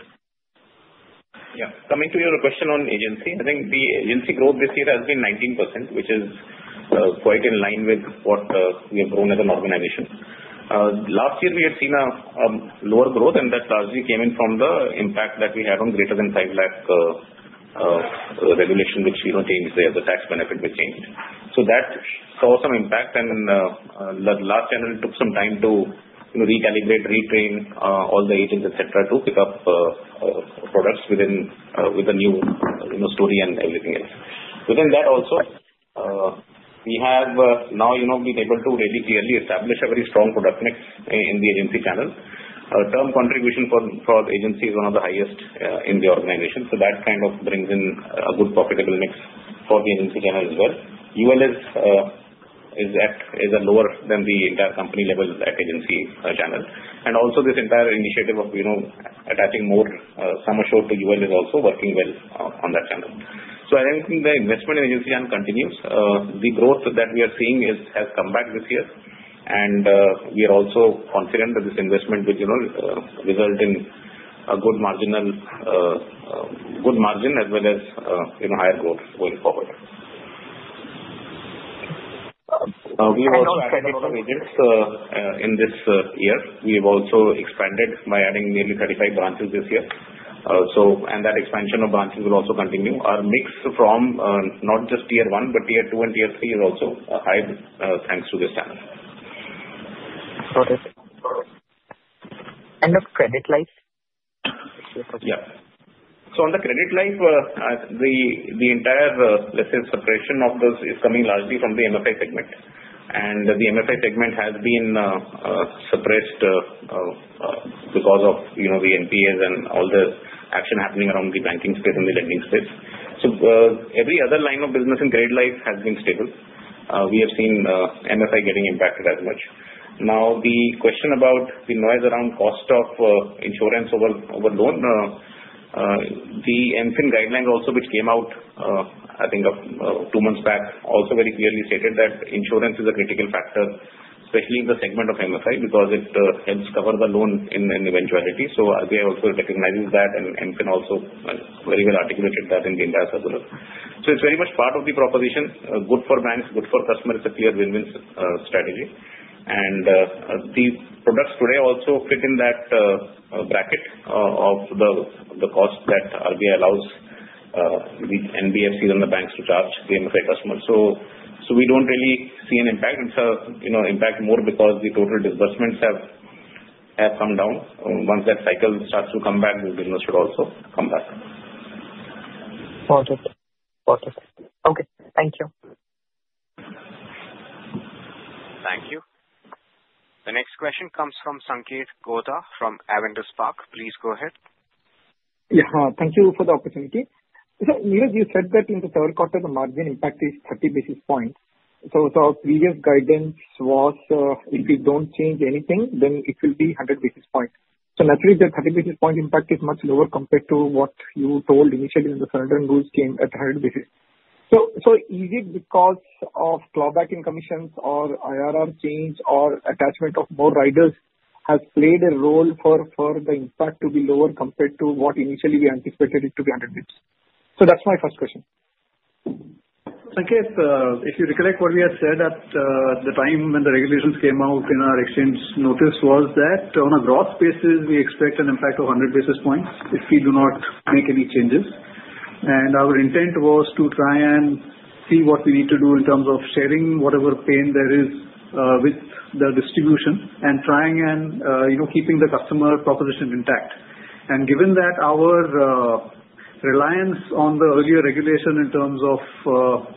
Yeah. Coming to your question on agency, I think the agency growth this year has been 19%, which is quite in line with what we have grown as an organization. Last year, we had seen a lower growth, and that largely came in from the impact that we had on greater than 5 lakh regulation, which changed the tax benefit we changed. So that saw some impact, and the agency channel took some time to recalibrate, retrain all the agents, etc., to pick up products with a new story and everything else. Within that also, we have now been able to really clearly establish a very strong product mix in the agency channel. Term contribution for agency is one of the highest in the organization. So that kind of brings in a good profitable mix for the agency channel as well. UL is at a lower than the entire company level at agency channel, and also this entire initiative of attaching more sum assured to UL is also working well on that channel, so I think the investment in agency channel continues. The growth that we are seeing has come back this year, and we are also confident that this investment will result in a good margin as well as higher growth going forward. We have expanded a lot of agents in this year. We have also expanded by adding nearly 35 branches this year, and that expansion of branches will also continue. Our mix from not just tier one, but tier two and tier three is also high thanks to this channel. Got it. And the credit life? Yeah. So on the credit life, the entire, let's say, deceleration of those is coming largely from the MFI segment. And the MFI segment has been suppressed because of the NPAs and all the action happening around the banking space and the lending space. So every other line of business in credit life has been stable. We have seen MFI getting impacted as much. Now, the question about the noise around cost of insurance over loan, the MFIN guideline also, which came out, I think, two months back, also very clearly stated that insurance is a critical factor, especially in the segment of MFI because it helps cover the loan in eventuality. So RBI also recognizes that, and MFIN also very well articulated that in the entire circular. So it's very much part of the proposition. Good for banks, good for customers. It's a clear win-win strategy. And the products today also fit in that bracket of the cost that RBI allows the NBFCs and the banks to charge the MFI customers. So we don't really see an impact. It's an impact more because the total disbursements have come down. Once that cycle starts to come back, the business should also come back. Got it. Got it. Okay. Thank you. Thank you. The next question comes from Sanket Godha from Avendus Spark. Please go ahead. Yeah. Thank you for the opportunity. So Neeraj, you said that in the third quarter, the margin impact is 30 basis points. So our previous guidance was if we don't change anything, then it will be 100 basis points. So naturally, the 30 basis point impact is much lower compared to what you told initially when the surrender rules came at 100 basis. So is it because of clawback in commissions or IRR change or attachment of more riders has played a role for the impact to be lower compared to what initially we anticipated it to be 100 basis? So that's my first question. Sanketh, if you recollect what we had said at the time when the regulations came out in our exchange notice was that on a gross basis, we expect an impact of 100 basis points if we do not make any changes. And our intent was to try and see what we need to do in terms of sharing whatever pain there is with the distribution and trying and keeping the customer proposition intact. And given that our reliance on the earlier regulation in terms of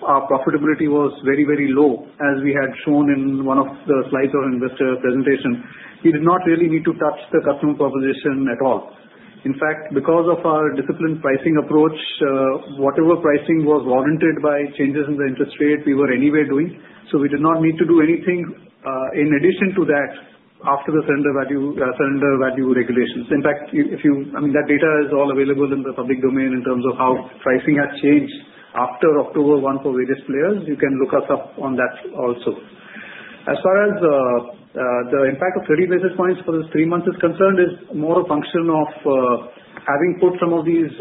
our profitability was very, very low, as we had shown in one of the slides of investor presentation, we did not really need to touch the customer proposition at all. In fact, because of our disciplined pricing approach, whatever pricing was warranted by changes in the interest rate, we were anyway doing. So we did not need to do anything in addition to that after the surrender value regulations. In fact, if you, I mean, that data is all available in the public domain in terms of how pricing has changed after October 1 for various players. You can look us up on that also. As far as the impact of 30 basis points for the three months is concerned, it's more a function of having put some of these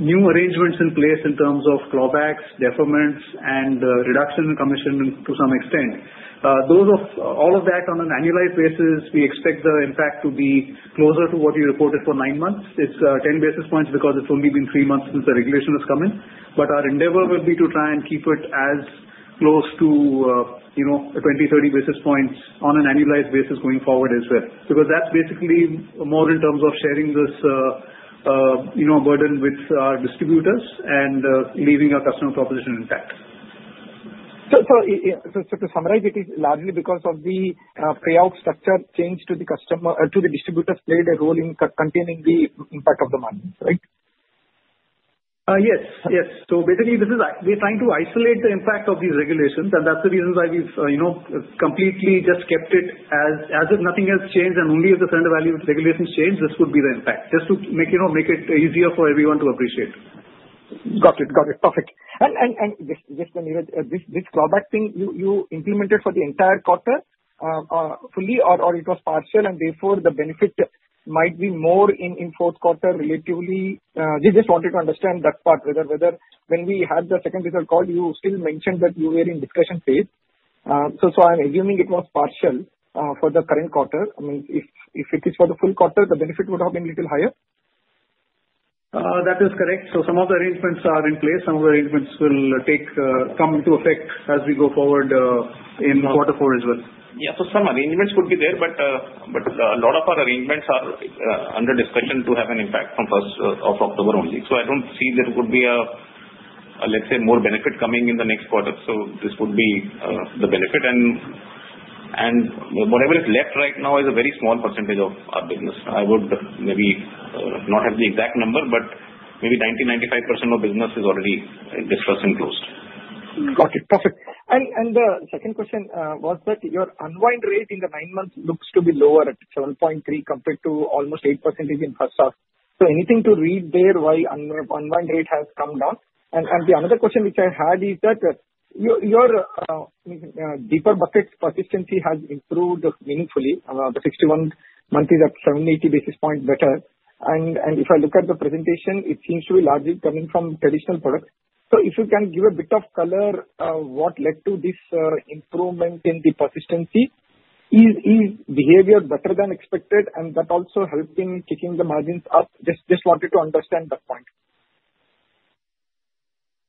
new arrangements in place in terms of clawbacks, deferments, and reduction in commission to some extent. All of that on an annualized basis, we expect the impact to be closer to what you reported for nine months. It's 10 basis points because it's only been three months since the regulation has come in. But our endeavor will be to try and keep it as close to 20-30 basis points on an annualized basis going forward as well. Because that's basically more in terms of sharing this burden with our distributors and leaving our customer proposition intact. So to summarize, it is largely because of the payout structure change to the customer to the distributors played a role in containing the impact of the margins, right? Yes. Yes, so basically, we're trying to isolate the impact of these regulations, and that's the reason why we've completely just kept it as if nothing has changed, and only if the surrender value regulations change, this would be the impact. Just to make it easier for everyone to appreciate. Got it. Got it. Perfect. And just Niraj, this clawback thing, you implemented for the entire quarter fully, or it was partial, and therefore the benefit might be more in fourth quarter relatively? We just wanted to understand that part, whether when we had the second result call, you still mentioned that you were in discussion phase. So I'm assuming it was partial for the current quarter. I mean, if it is for the full quarter, the benefit would have been a little higher? That is correct. So some of the arrangements are in place. Some of the arrangements will come into effect as we go forward in quarter four as well. Yeah. So some arrangements would be there, but a lot of our arrangements are under discussion to have an impact from first of October only. So I don't see there would be a, let's say, more benefit coming in the next quarter. So this would be the benefit. And whatever is left right now is a very small percentage of our business. I would maybe not have the exact number, but maybe 90%-95% of business is already discussed and closed. Got it. Perfect. And the second question was that your unwind rate in the nine months looks to be lower at 7.3% compared to almost 8% in first half. So anything to read there why unwind rate has come down? And the other question which I had is that your deeper buckets' persistency has improved meaningfully. The 61 monthly is at 780 basis points better. If I look at the presentation, it seems to be largely coming from traditional products. If you can give a bit of color what led to this improvement in the persistency, is behavior better than expected, and that also helping kicking the margins up? Just wanted to understand that point.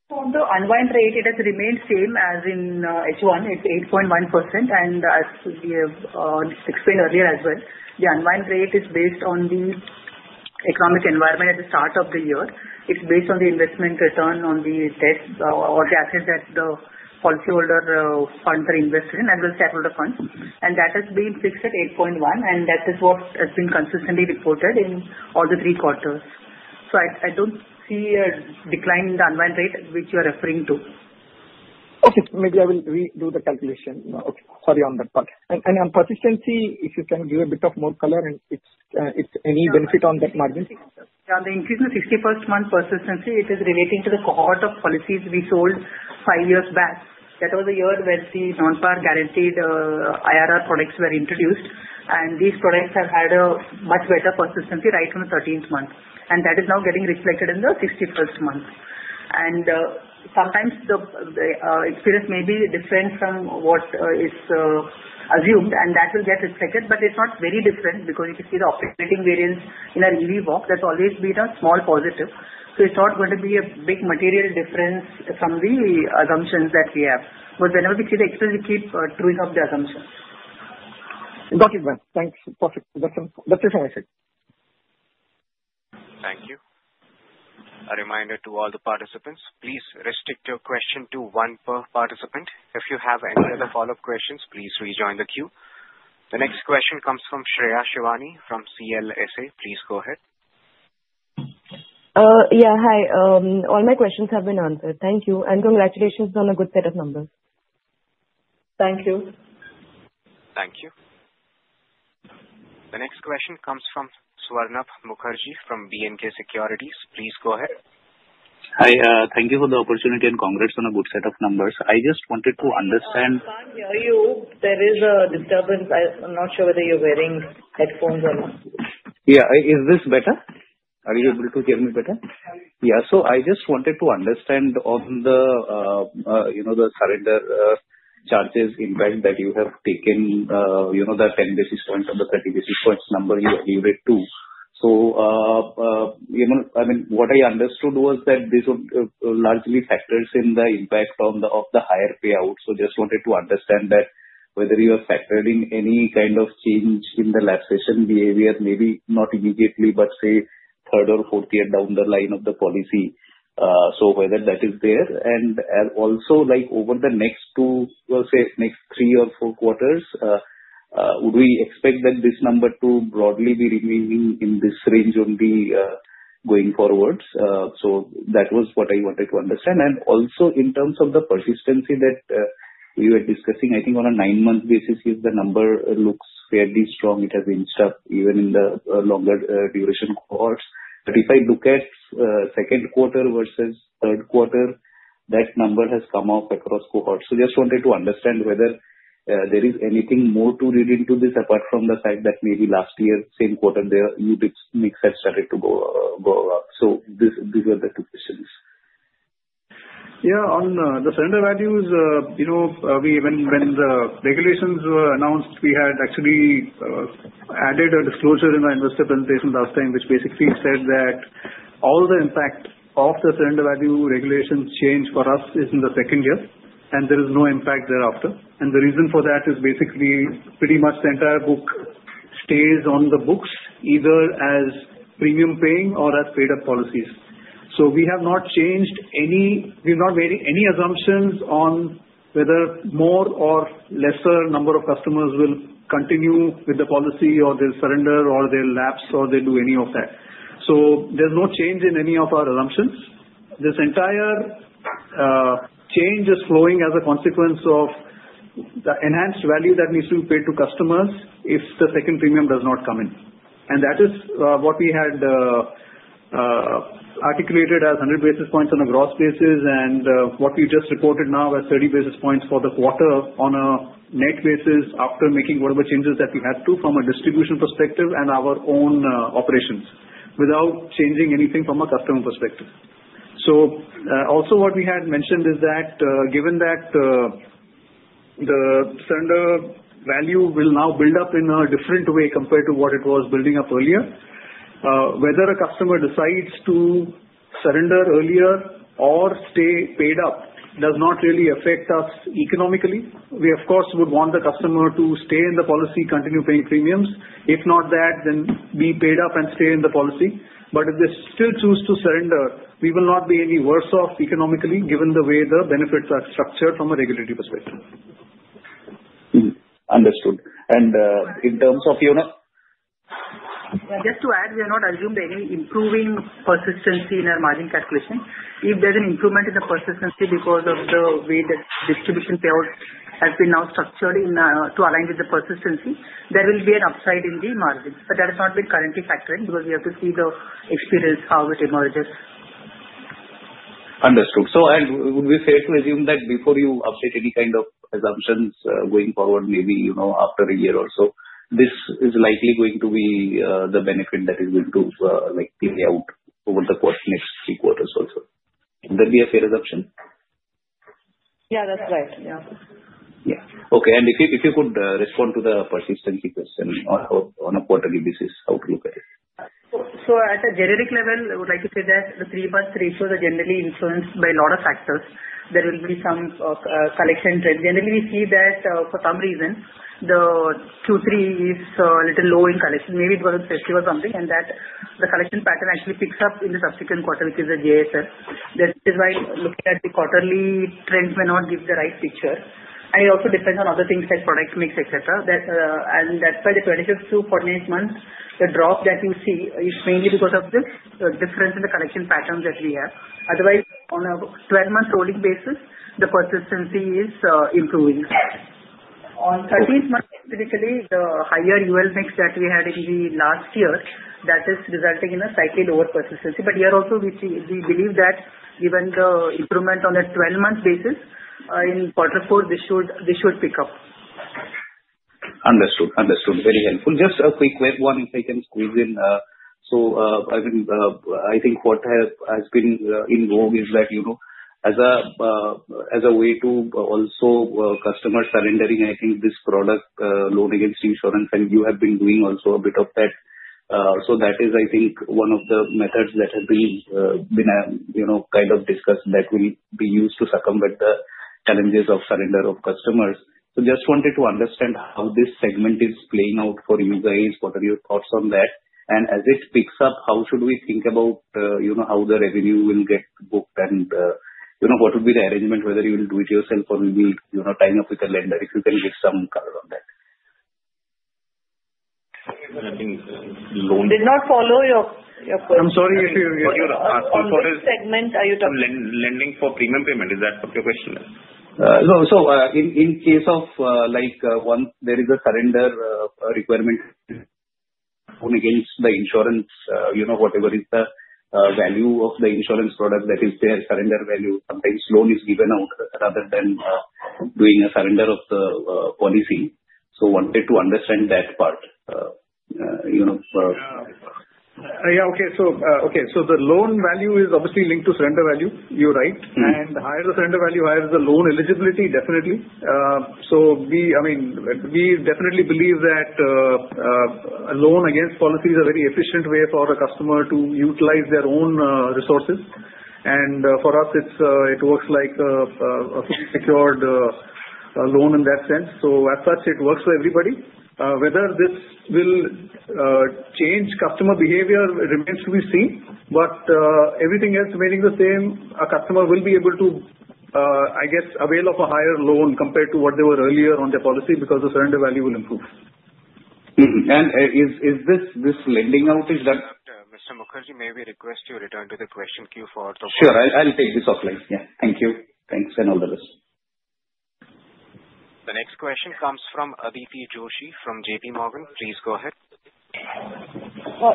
The unwind rate, it has remained same as in H1. It's 8.1%. And as we have explained earlier as well, the unwind rate is based on the economic environment at the start of the year. It's based on the investment return on the debts or the assets that the policyholder funds are invested in as well as capital funds. And that has been fixed at 8.1%, and that is what has been consistently reported in all the three quarters. So I don't see a decline in the unwind rate which you are referring to. Okay. Maybe I will redo the calculation. Sorry on that part. And on persistency, if you can give a bit more color, and is there any benefit on that margin? Yeah. The increase in the 61st month persistency, it is relating to the cohort of policies we sold five years back. That was a year when the non-PAR guaranteed IRR products were introduced, and these products have had a much better persistency right from the 13th month. And that is now getting reflected in the 61st month. And sometimes the experience may be different from what is assumed, and that will get reflected, but it's not very different because you can see the operating variance in our EVoC. That's always been a small positive. So it's not going to be a big material difference from the assumptions that we have. But whenever we see the experience, we keep truing up the assumptions. Got it. Thanks. Perfect. That's it from my side. Thank you. A reminder to all the participants, please restrict your question to one per participant. If you have any other follow-up questions, please rejoin the queue. The next question comes from Shreya Shivani from CLSA. Please go ahead. Yeah. Hi. All my questions have been answered. Thank you. And congratulations on a good set of numbers. Thank you. Thank you. The next question comes from Swarnabh Mukherjee from B&K Securities. Please go ahead. Hi. Thank you for the opportunity and congrats on a good set of numbers. I just wanted to understand. I can't hear you. There is a disturbance. I'm not sure whether you're wearing headphones or not. Yeah. Is this better? Are you able to hear me better? Yeah. So I just wanted to understand on the surrender charges impact that you have taken, the 10 basis points or the 30 basis points number you alluded to. So I mean, what I understood was that this would largely factors in the impact of the higher payout. So just wanted to understand that whether you are factoring any kind of change in the lapse behavior, maybe not immediately, but say third or fourth year down the line of the policy. So whether that is there. And also, over the next two, say, next three or four quarters, would we expect that this number to broadly be remaining in this range only going forwards? So that was what I wanted to understand. Also, in terms of the persistency that we were discussing, I think on a nine-month basis, the number looks fairly strong. It has inched up even in the longer duration cohorts. But if I look at second quarter versus third quarter, that number has come off across cohorts. So just wanted to understand whether there is anything more to read into this apart from the fact that maybe last year, same quarter, your mix had started to go up. So these were the two questions. Yeah. On the surrender values, when the regulations were announced, we had actually added a disclosure in the investor presentation last time, which basically said that all the impact of the surrender value regulation change for us is in the second year, and there is no impact thereafter. And the reason for that is basically pretty much the entire book stays on the books, either as premium paying or as paid-up policies. So we have not made any assumptions on whether more or lesser number of customers will continue with the policy or they'll surrender or they'll lapse or they'll do any of that. So there's no change in any of our assumptions. This entire change is flowing as a consequence of the enhanced value that needs to be paid to customers if the second premium does not come in. And that is what we had articulated as 100 basis points on a gross basis, and what we just reported now as 30 basis points for the quarter on a net basis after making whatever changes that we had to from a distribution perspective and our own operations without changing anything from a customer perspective. So also, what we had mentioned is that given that the surrender value will now build up in a different way compared to what it was building up earlier, whether a customer decides to surrender earlier or stay paid up does not really affect us economically. We, of course, would want the customer to stay in the policy, continue paying premiums. If not that, then be paid up and stay in the policy. But if they still choose to surrender, we will not be any worse off economically given the way the benefits are structured from a regulatory perspective. Understood and in terms of your? Yeah. Just to add, we have not assumed any improving persistency in our margin calculation. If there's an improvement in the persistency because of the way that distribution payout has been now structured to align with the persistency, there will be an upside in the margins. But that has not been currently factoring because we have to see the experience how it emerges. Understood. So would we fair to assume that before you update any kind of assumptions going forward, maybe after a year or so, this is likely going to be the benefit that is going to pay out over the next three quarters also? Would that be a fair assumption? Yeah. That's right. Yeah. Yeah. Okay. And if you could respond to the persistency question on a quarterly basis, how to look at it? At a generic level, I would like to say that the three-month ratios are generally influenced by a lot of factors. There will be some collection trend. Generally, we see that for some reason, the Q3 is a little low in collection. Maybe it was a festival or something, and that the collection pattern actually picks up in the subsequent quarter, which is the JFM. That is why looking at the quarterly trend may not give the right picture. And it also depends on other things like product mix, etc. And that's why the 25th to 48th month, the drop that you see is mainly because of the difference in the collection patterns that we have. Otherwise, on a 12-month rolling basis, the persistency is improving. On 13th month, typically, the higher UL mix that we had in the last year, that is resulting in a slightly lower persistency. But here also, we believe that given the improvement on a 12-month basis, in quarter four, this should pick up. Understood. Understood. Very helpful. Just a quick one if I can squeeze in. So I think what has been in vogue is that as a way to also customer surrendering, I think this product loan against insurance, and you have been doing also a bit of that. So that is, I think, one of the methods that has been kind of discussed that will be used to circumvent the challenges of surrender of customers. So just wanted to understand how this segment is playing out for you guys. What are your thoughts on that? And as it picks up, how should we think about how the revenue will get booked and what would be the arrangement, whether you will do it yourself or we will tie up with the lender if you can get some color on that? Did not follow your question. I'm sorry if you're asking. What segment are you talking about? Lending for premium payment. Is that what your question is? No. So in case there is a surrender requirement against the insurance, whatever is the value of the insurance product that is their surrender value, sometimes loan is given out rather than doing a surrender of the policy. So wanted to understand that part. Yeah. Okay. So the loan value is obviously linked to surrender value. You're right. And the higher the surrender value, the higher the loan eligibility, definitely. So I mean, we definitely believe that a loan against policies is a very efficient way for a customer to utilize their own resources. And for us, it works like a secured loan in that sense. So as such, it works for everybody. Whether this will change customer behavior remains to be seen. But everything else remaining the same, a customer will be able to, I guess, avail of a higher loan compared to what they were earlier on their policy because the surrender value will improve. Is this lending out, is that? Mr. Mukherjee, may we request you return to the question queue for the question? Sure. I'll take this offline. Yeah. Thank you. Thanks. And all the rest. The next question comes from Aditi Joshi from J.P. Morgan. Please go ahead.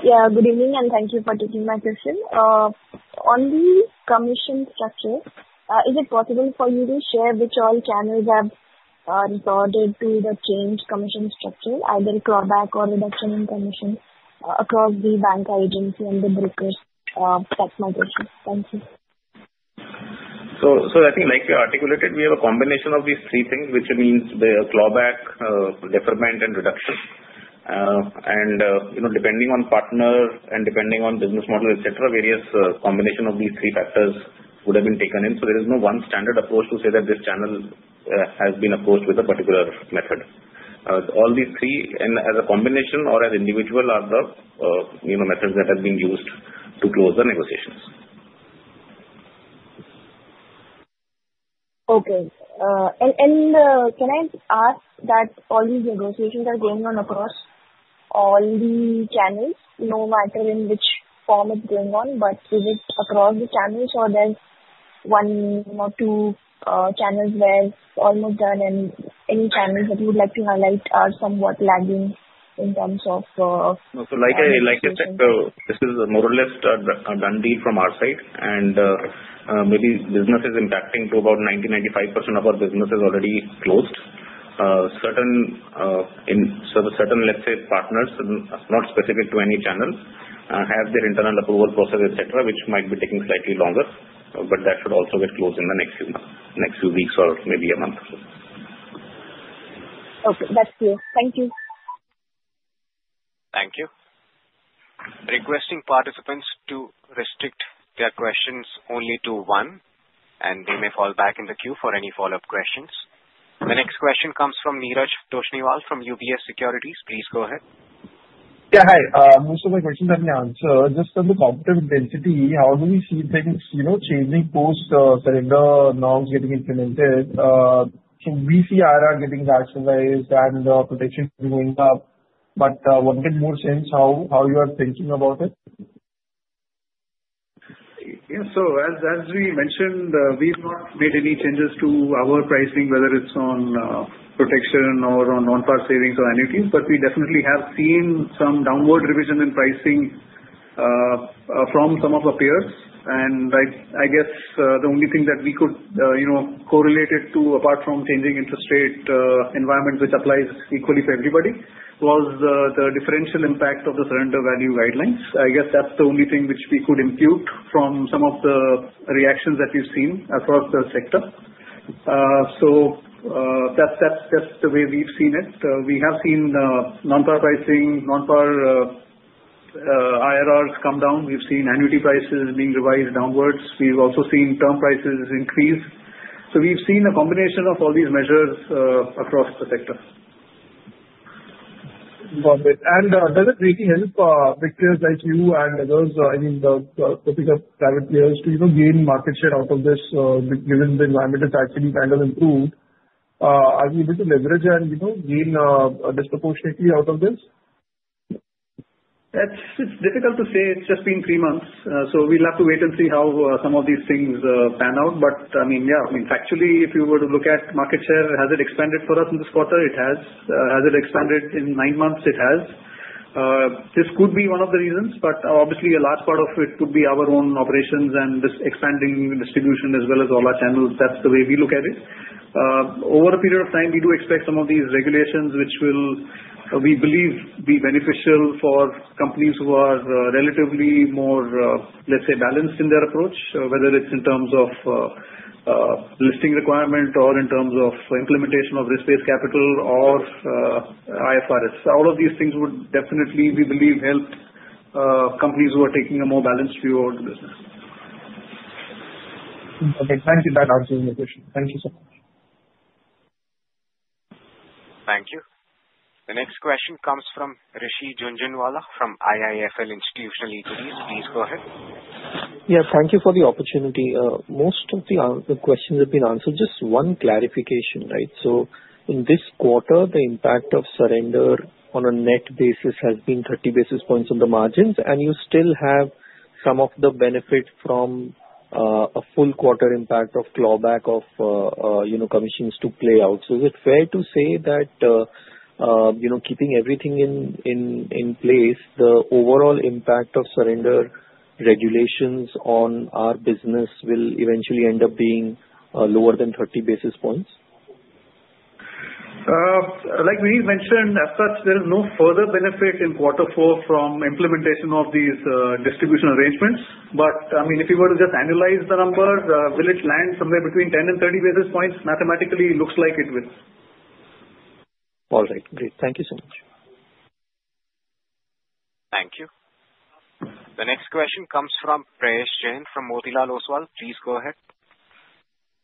Yeah. Good evening, and thank you for taking my question. On the commission structure, is it possible for you to share which all channels have resorted to the changed commission structure, either clawback or reduction in commission across the bank, agency, and the brokers? That's my question. Thank you. So I think, like you articulated, we have a combination of these three things, which means the clawback, deferment, and reduction. And depending on partner and depending on business model, etc., various combinations of these three factors would have been taken in. So there is no one standard approach to say that this channel has been approached with a particular method. All these three, as a combination or as individual, are the methods that have been used to close the negotiations. Okay, and can I ask that all these negotiations are going on across all the channels, no matter in which form it's going on, but is it across the channels, or there's one or two channels where it's almost done, and any channels that you would like to highlight are somewhat lagging in terms of? No. So like I said, this is more or less a done deal from our side. And maybe business is impacting to about 90%-95% of our business is already closed. Certain, let's say, partners, not specific to any channel, have their internal approval process, etc., which might be taking slightly longer. But that should also get closed in the next few weeks or maybe a month. Okay. That's clear. Thank you. Thank you. Requesting participants to restrict their questions only to one, and they may fall back in the queue for any follow-up questions. The next question comes from Toshniwal from UBS Securities. Please go ahead. Yeah. Hi. Most of my questions have been answered. Just on the competitive density, how do we see things changing post-surrender norms getting implemented? So we see IRR getting maximized and protection going up. But what makes more sense? How you are thinking about it? Yeah. So as we mentioned, we've not made any changes to our pricing, whether it's on protection or on non-par savings or annuities, but we definitely have seen some downward revision in pricing from some of our peers. And I guess the only thing that we could correlate it to, apart from changing interest rate environment, which applies equally for everybody, was the differential impact of the surrender value guidelines. I guess that's the only thing which we could impute from some of the reactions that we've seen across the sector. So that's just the way we've seen it. We have seen non-par pricing, non-par IRRs come down. We've seen annuity prices being revised downwards. We've also seen term prices increase. So we've seen a combination of all these measures across the sector. Got it. And does it really help victims like you and others, I mean, the bigger private players to gain market share out of this given the environment has actually kind of improved? Are we able to leverage and gain disproportionately out of this? It's difficult to say. It's just been three months. So we'll have to wait and see how some of these things pan out. But I mean, yeah, I mean, factually, if you were to look at market share, has it expanded for us in this quarter? It has. Has it expanded in nine months? It has. This could be one of the reasons, but obviously, a large part of it could be our own operations and this expanding distribution as well as all our channels. That's the way we look at it. Over a period of time, we do expect some of these regulations, which we believe will be beneficial for companies who are relatively more, let's say, balanced in their approach, whether it's in terms of listing requirement or in terms of implementation of risk-based capital or IFRS. All of these things would definitely, we believe, help companies who are taking a more balanced view of the business. Okay. Thank you for answering my question. Thank you so much. Thank you. The next question comes from Rishi Jhunjhunwala from IIFL Institutional Equities. Please go ahead. Yeah. Thank you for the opportunity. Most of the questions have been answered. Just one clarification, right? So in this quarter, the impact of surrender on a net basis has been 30 basis points on the margins, and you still have some of the benefit from a full quarter impact of clawback of commissions to play out. So is it fair to say that keeping everything in place, the overall impact of surrender regulations on our business will eventually end up being lower than 30 basis points? Like we mentioned, as such, there is no further benefit in quarter four from implementation of these distribution arrangements. But I mean, if you were to just analyze the number, will it land somewhere between 10 and 30 basis points? Mathematically, it looks like it will. All right. Great. Thank you so much. Thank you. The next question comes from Prayesh Jain from Motilal Oswal. Please go ahead.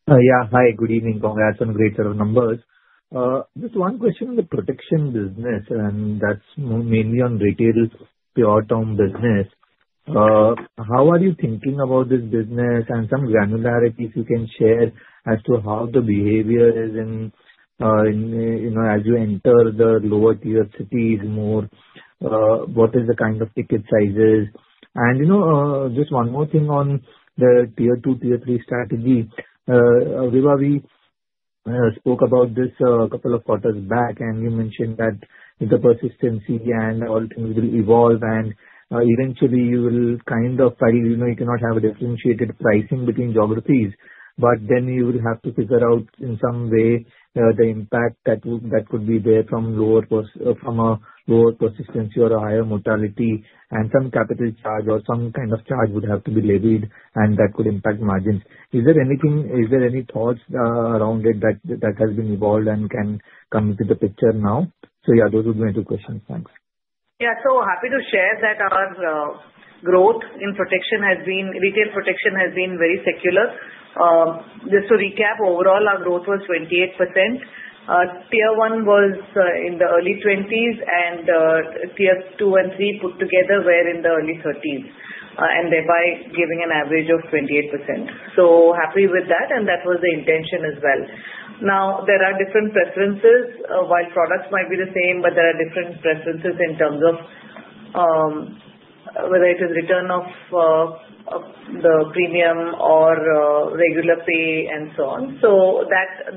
Yeah. Hi. Good evening, Vibha. I mean a great set of numbers. Just one question on the protection business, and that's mainly on retail pure term business. How are you thinking about this business and some granularities you can share as to how the behavior is as you enter the lower-tier cities more? What is the kind of ticket sizes? And just one more thing on the tier two, tier three strategy. Vibha, we spoke about this a couple of quarters back, and you mentioned that the persistency and all things will evolve, and eventually, you will kind of find you cannot have a differentiated pricing between geographies. But then you will have to figure out in some way the impact that could be there from a lower persistency or a higher mortality and some capital charge or some kind of charge would have to be levied, and that could impact margins. Is there anything? Is there any thoughts around it that has been evolved and can come into the picture now? So yeah, those would be my two questions. Thanks. Yeah. So happy to share that our growth in protection has been. Retail protection has been very secular. Just to recap, overall, our growth was 28%. Tier one was in the early 20s, and tier two and three put together were in the early 30s, and thereby giving an average of 28%. So happy with that, and that was the intention as well. Now, there are different preferences. While products might be the same, there are different preferences in terms of whether it is return of the premium or regular pay and so on. So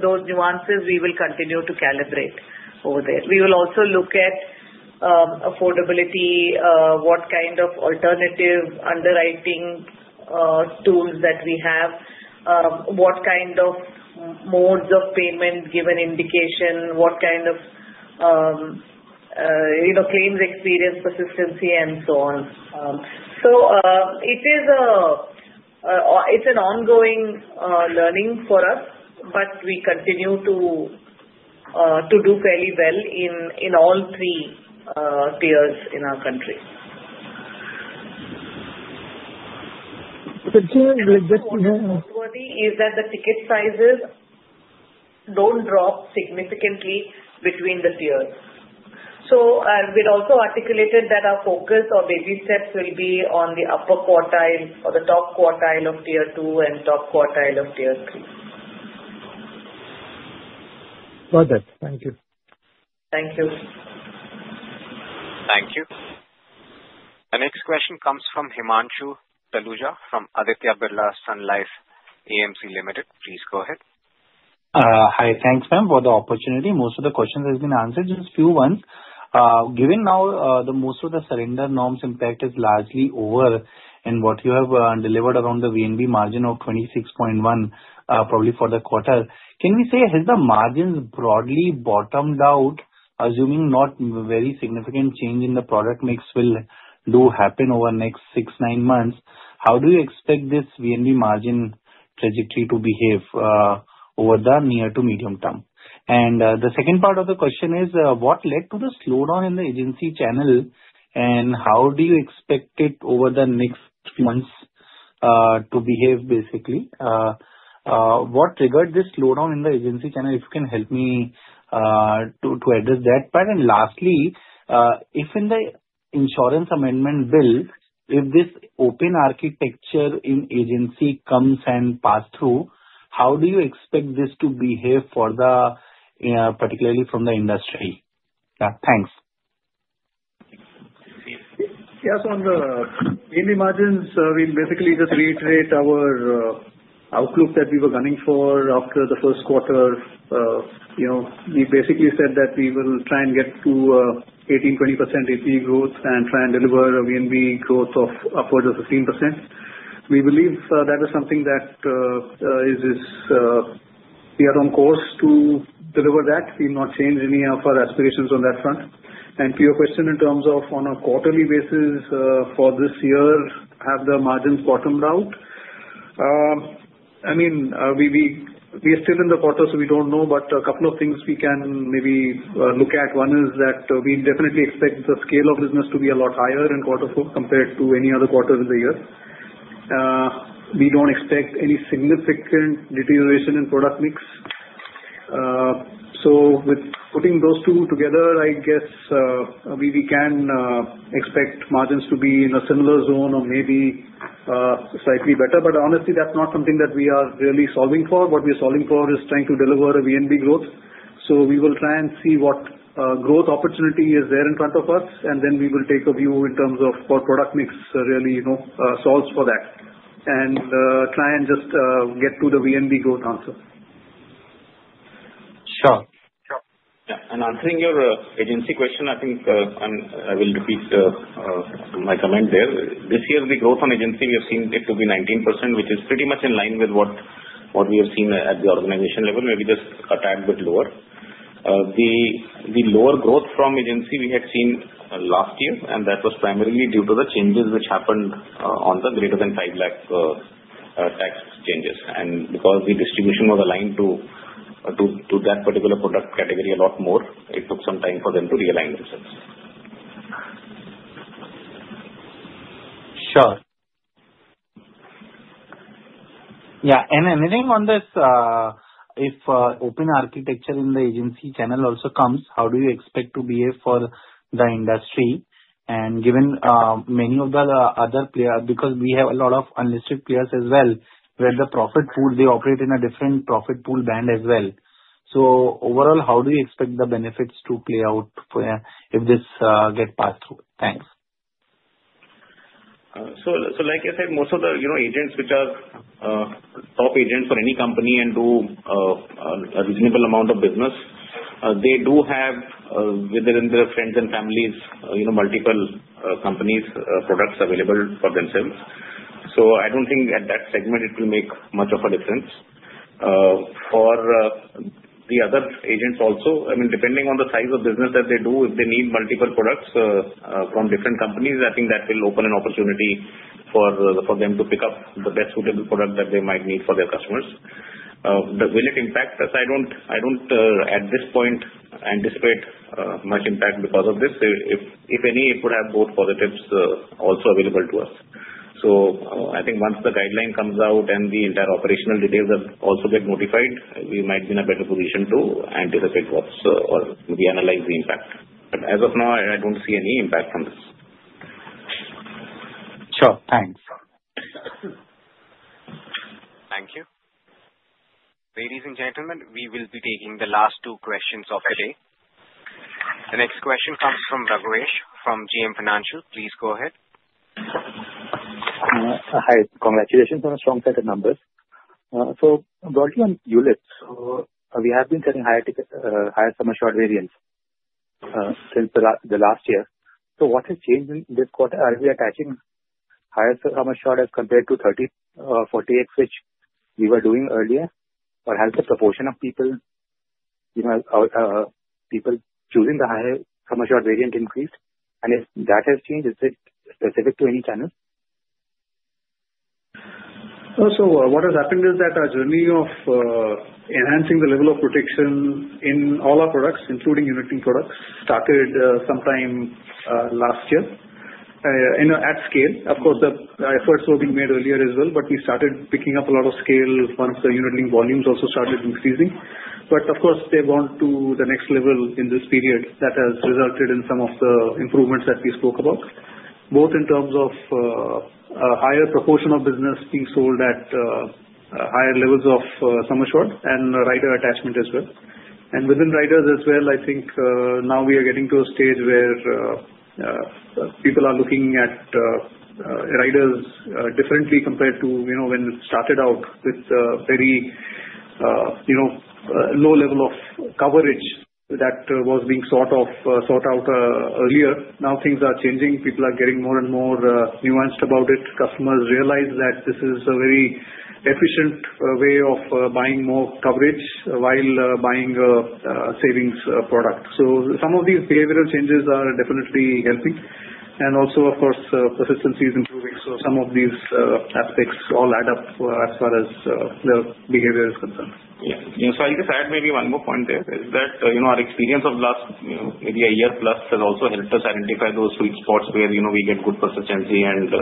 those nuances, we will continue to calibrate over there. We will also look at affordability, what kind of alternative underwriting tools that we have, what kind of modes of payment given indication, what kind of claims experience, persistency, and so on. So it's an ongoing learning for us, but we continue to do fairly well in all three tiers in our country. So just. The most important is that the ticket sizes don't drop significantly between the tiers. So we also articulated that our focus or baby steps will be on the upper quartile or the top quartile of tier two and top quartile of tier three. Got it. Thank you. Thank you. Thank you. The next question comes from Himanshu Taluja from Aditya Birla Sun Life AMC Limited. Please go ahead. Hi. Thanks, ma'am, for the opportunity. Most of the questions have been answered. Just a few ones. Given now that most of the surrender norms impact is largely over in what you have delivered around the VNB margin of 26.1% probably for the quarter, can we say has the margins broadly bottomed out, assuming not very significant change in the product mix will happen over the next six, nine months? How do you expect this VNB margin trajectory to behave over the near to medium term? And the second part of the question is, what led to the slowdown in the agency channel, and how do you expect it over the next few months to behave, basically? What triggered this slowdown in the agency channel? If you can help me to address that. But then lastly, if in the insurance amendment bill, if this open architecture in agency comes and passes through, how do you expect this to behave particularly from the industry? Yeah. Thanks. Yeah. So on the VNB margins, we'll basically just reiterate our outlook that we were gunning for after the first quarter. We basically said that we will try and get to 18%-20% AP growth and try and deliver a VNB growth of upwards of 15%. We believe that is something that is on course to deliver that. We'll not change any of our aspirations on that front. And to your question in terms of on a quarterly basis for this year, have the margins bottomed out? I mean, we are still in the quarter, so we don't know, but a couple of things we can maybe look at. One is that we definitely expect the scale of business to be a lot higher in quarter four compared to any other quarter of the year. We don't expect any significant deterioration in product mix. So with putting those two together, I guess we can expect margins to be in a similar zone or maybe slightly better. But honestly, that's not something that we are really solving for. What we are solving for is trying to deliver a VNB growth. So we will try and see what growth opportunity is there in front of us, and then we will take a view in terms of what product mix really solves for that and try and just get to the VNB growth answer. Sure. Yeah. And answering your agency question, I think I will repeat my comment there. This year, the growth on agency, we have seen it to be 19%, which is pretty much in line with what we have seen at the organization level, maybe just a tad bit lower. The lower growth from agency we had seen last year, and that was primarily due to the changes which happened on the greater than 5 lakh tax changes. And because the distribution was aligned to that particular product category a lot more, it took some time for them to realign themselves. Sure. Yeah. And anything on this, if open architecture in the agency channel also comes, how do you expect to behave for the industry? And given many of the other players, because we have a lot of unlisted players as well, where the profit pool, they operate in a different profit pool band as well. So overall, how do you expect the benefits to play out if this gets passed through? Thanks. So like I said, most of the agents, which are top agents for any company and do a reasonable amount of business, they do have within their friends and families multiple companies' products available for themselves. So I don't think at that segment it will make much of a difference. For the other agents also, I mean, depending on the size of business that they do, if they need multiple products from different companies, I think that will open an opportunity for them to pick up the best suitable product that they might need for their customers. Will it impact? I don't at this point anticipate much impact because of this. If any, it would have both positives also available to us. So I think once the guideline comes out and the entire operational details also get notified, we might be in a better position to anticipate what's, or maybe analyze the impact. But as of now, I don't see any impact from this. Sure. Thanks. Thank you. Ladies and gentlemen, we will be taking the last two questions of today. The next question comes from Raghav Garg from JM Financial. Please go ahead. Hi. Congratulations on a strong set of numbers. So broadly on units, we have been selling higher sum assured variants since the last year. So what has changed in this quarter? Are we attaching higher sum assured as compared to 30, 48, which we were doing earlier? Or has the proportion of people choosing the higher sum assured variant increased? And if that has changed, is it specific to any channel? What has happened is that our journey of enhancing the level of protection in all our products, including unit-linked products, started sometime last year at scale. Of course, the efforts were being made earlier as well, but we started picking up a lot of scale once the unit-linked volumes also started increasing. But of course, they've gone to the next level in this period that has resulted in some of the improvements that we spoke about, both in terms of a higher proportion of business being sold at higher levels of sum assured and rider attachment as well. And within riders as well, I think now we are getting to a stage where people are looking at riders differently compared to when it started out with very low level of coverage that was being sought out earlier. Now things are changing. People are getting more and more nuanced about it. Customers realize that this is a very efficient way of buying more coverage while buying a savings product. So some of these behavioral changes are definitely helping. And also, of course, persistency is improving. So some of these aspects all add up as far as the behavior is concerned. Yeah. So, I just add maybe one more point. There is that our experience of the last maybe a year plus has also helped us identify those sweet spots where we get good persistency and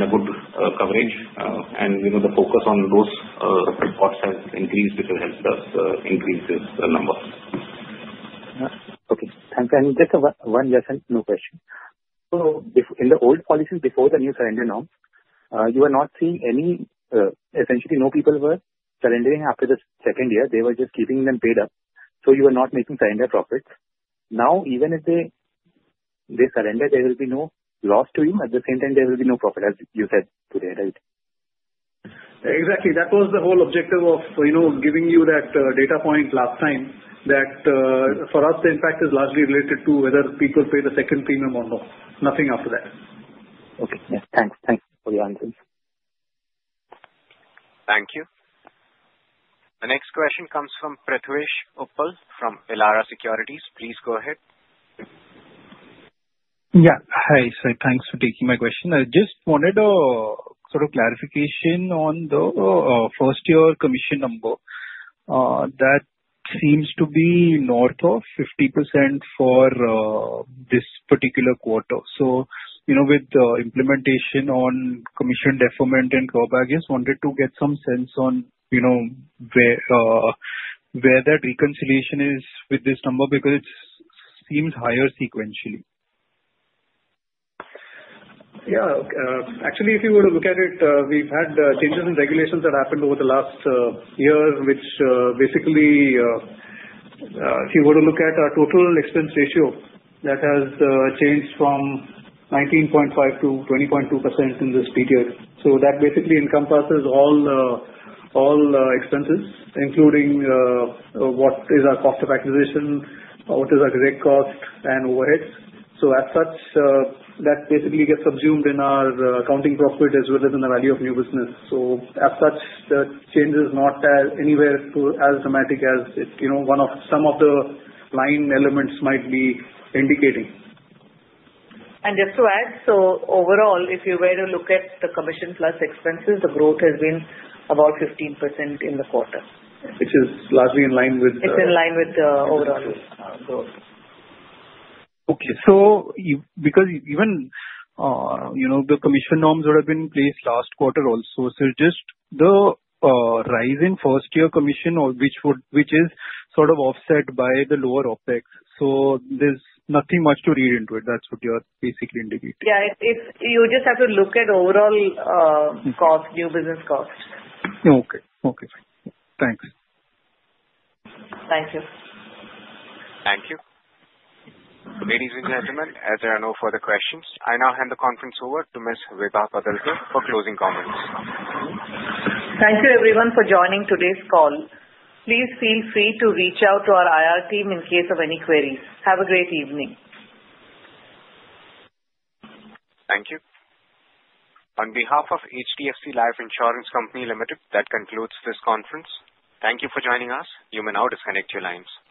good coverage. And the focus on those spots has increased, which has helped us increase the numbers. Okay. Thanks. And just one just no question. So in the old policies before the new surrender norms, you were not seeing any, essentially no people were surrendering after the second year. They were just keeping them paid up. So you were not making surrender profits. Now, even if they surrender, there will be no loss to you. At the same time, there will be no profit, as you said today, right? Exactly. That was the whole objective of giving you that data point last time that for us, the impact is largely related to whether people pay the second premium or not. Nothing after that. Okay. Yeah. Thanks. Thanks for the answers. Thank you. The next question comes from Prithvish Uppal from Elara Securities. Please go ahead. Yeah. Hi. So thanks for taking my question. I just wanted a sort of clarification on the first-year commission number. That seems to be north of 50% for this particular quarter. So with the implementation on commission deferment and clawbacks, I wanted to get some sense on where that reconciliation is with this number because it seems higher sequentially. Yeah. Actually, if you were to look at it, we've had changes in regulations that happened over the last year, which basically, if you were to look at our total expense ratio, that has changed from 19.5%-20.2% in this period. So that basically encompasses all expenses, including what is our cost of acquisition, what is our direct cost, and overheads. So as such, that basically gets subsumed in our accounting profit as well as in the value of new business. So as such, the change is not anywhere as dramatic as one of some of the line elements might be indicating. Just to add, so overall, if you were to look at the commission plus expenses, the growth has been about 15% in the quarter, which is largely in line with. It's in line with the overall growth. Okay, so because even the commission norms would have been placed last quarter also, so just the rise in first-year commission, which is sort of offset by the lower OpEx, so there's nothing much to read into it. That's what you're basically indicating. Yeah. You just have to look at overall cost, new business costs. Okay. Okay. Thanks. Thank you. Thank you. Ladies and gentlemen, as there are no further questions, I now hand the conference over to Ms. Vibha Padalkar for closing comments. Thank you, everyone, for joining today's call. Please feel free to reach out to our IR team in case of any queries. Have a great evening. Thank you. On behalf of HDFC Life Insurance Company Limited, that concludes this conference. Thank you for joining us. You may now disconnect your lines.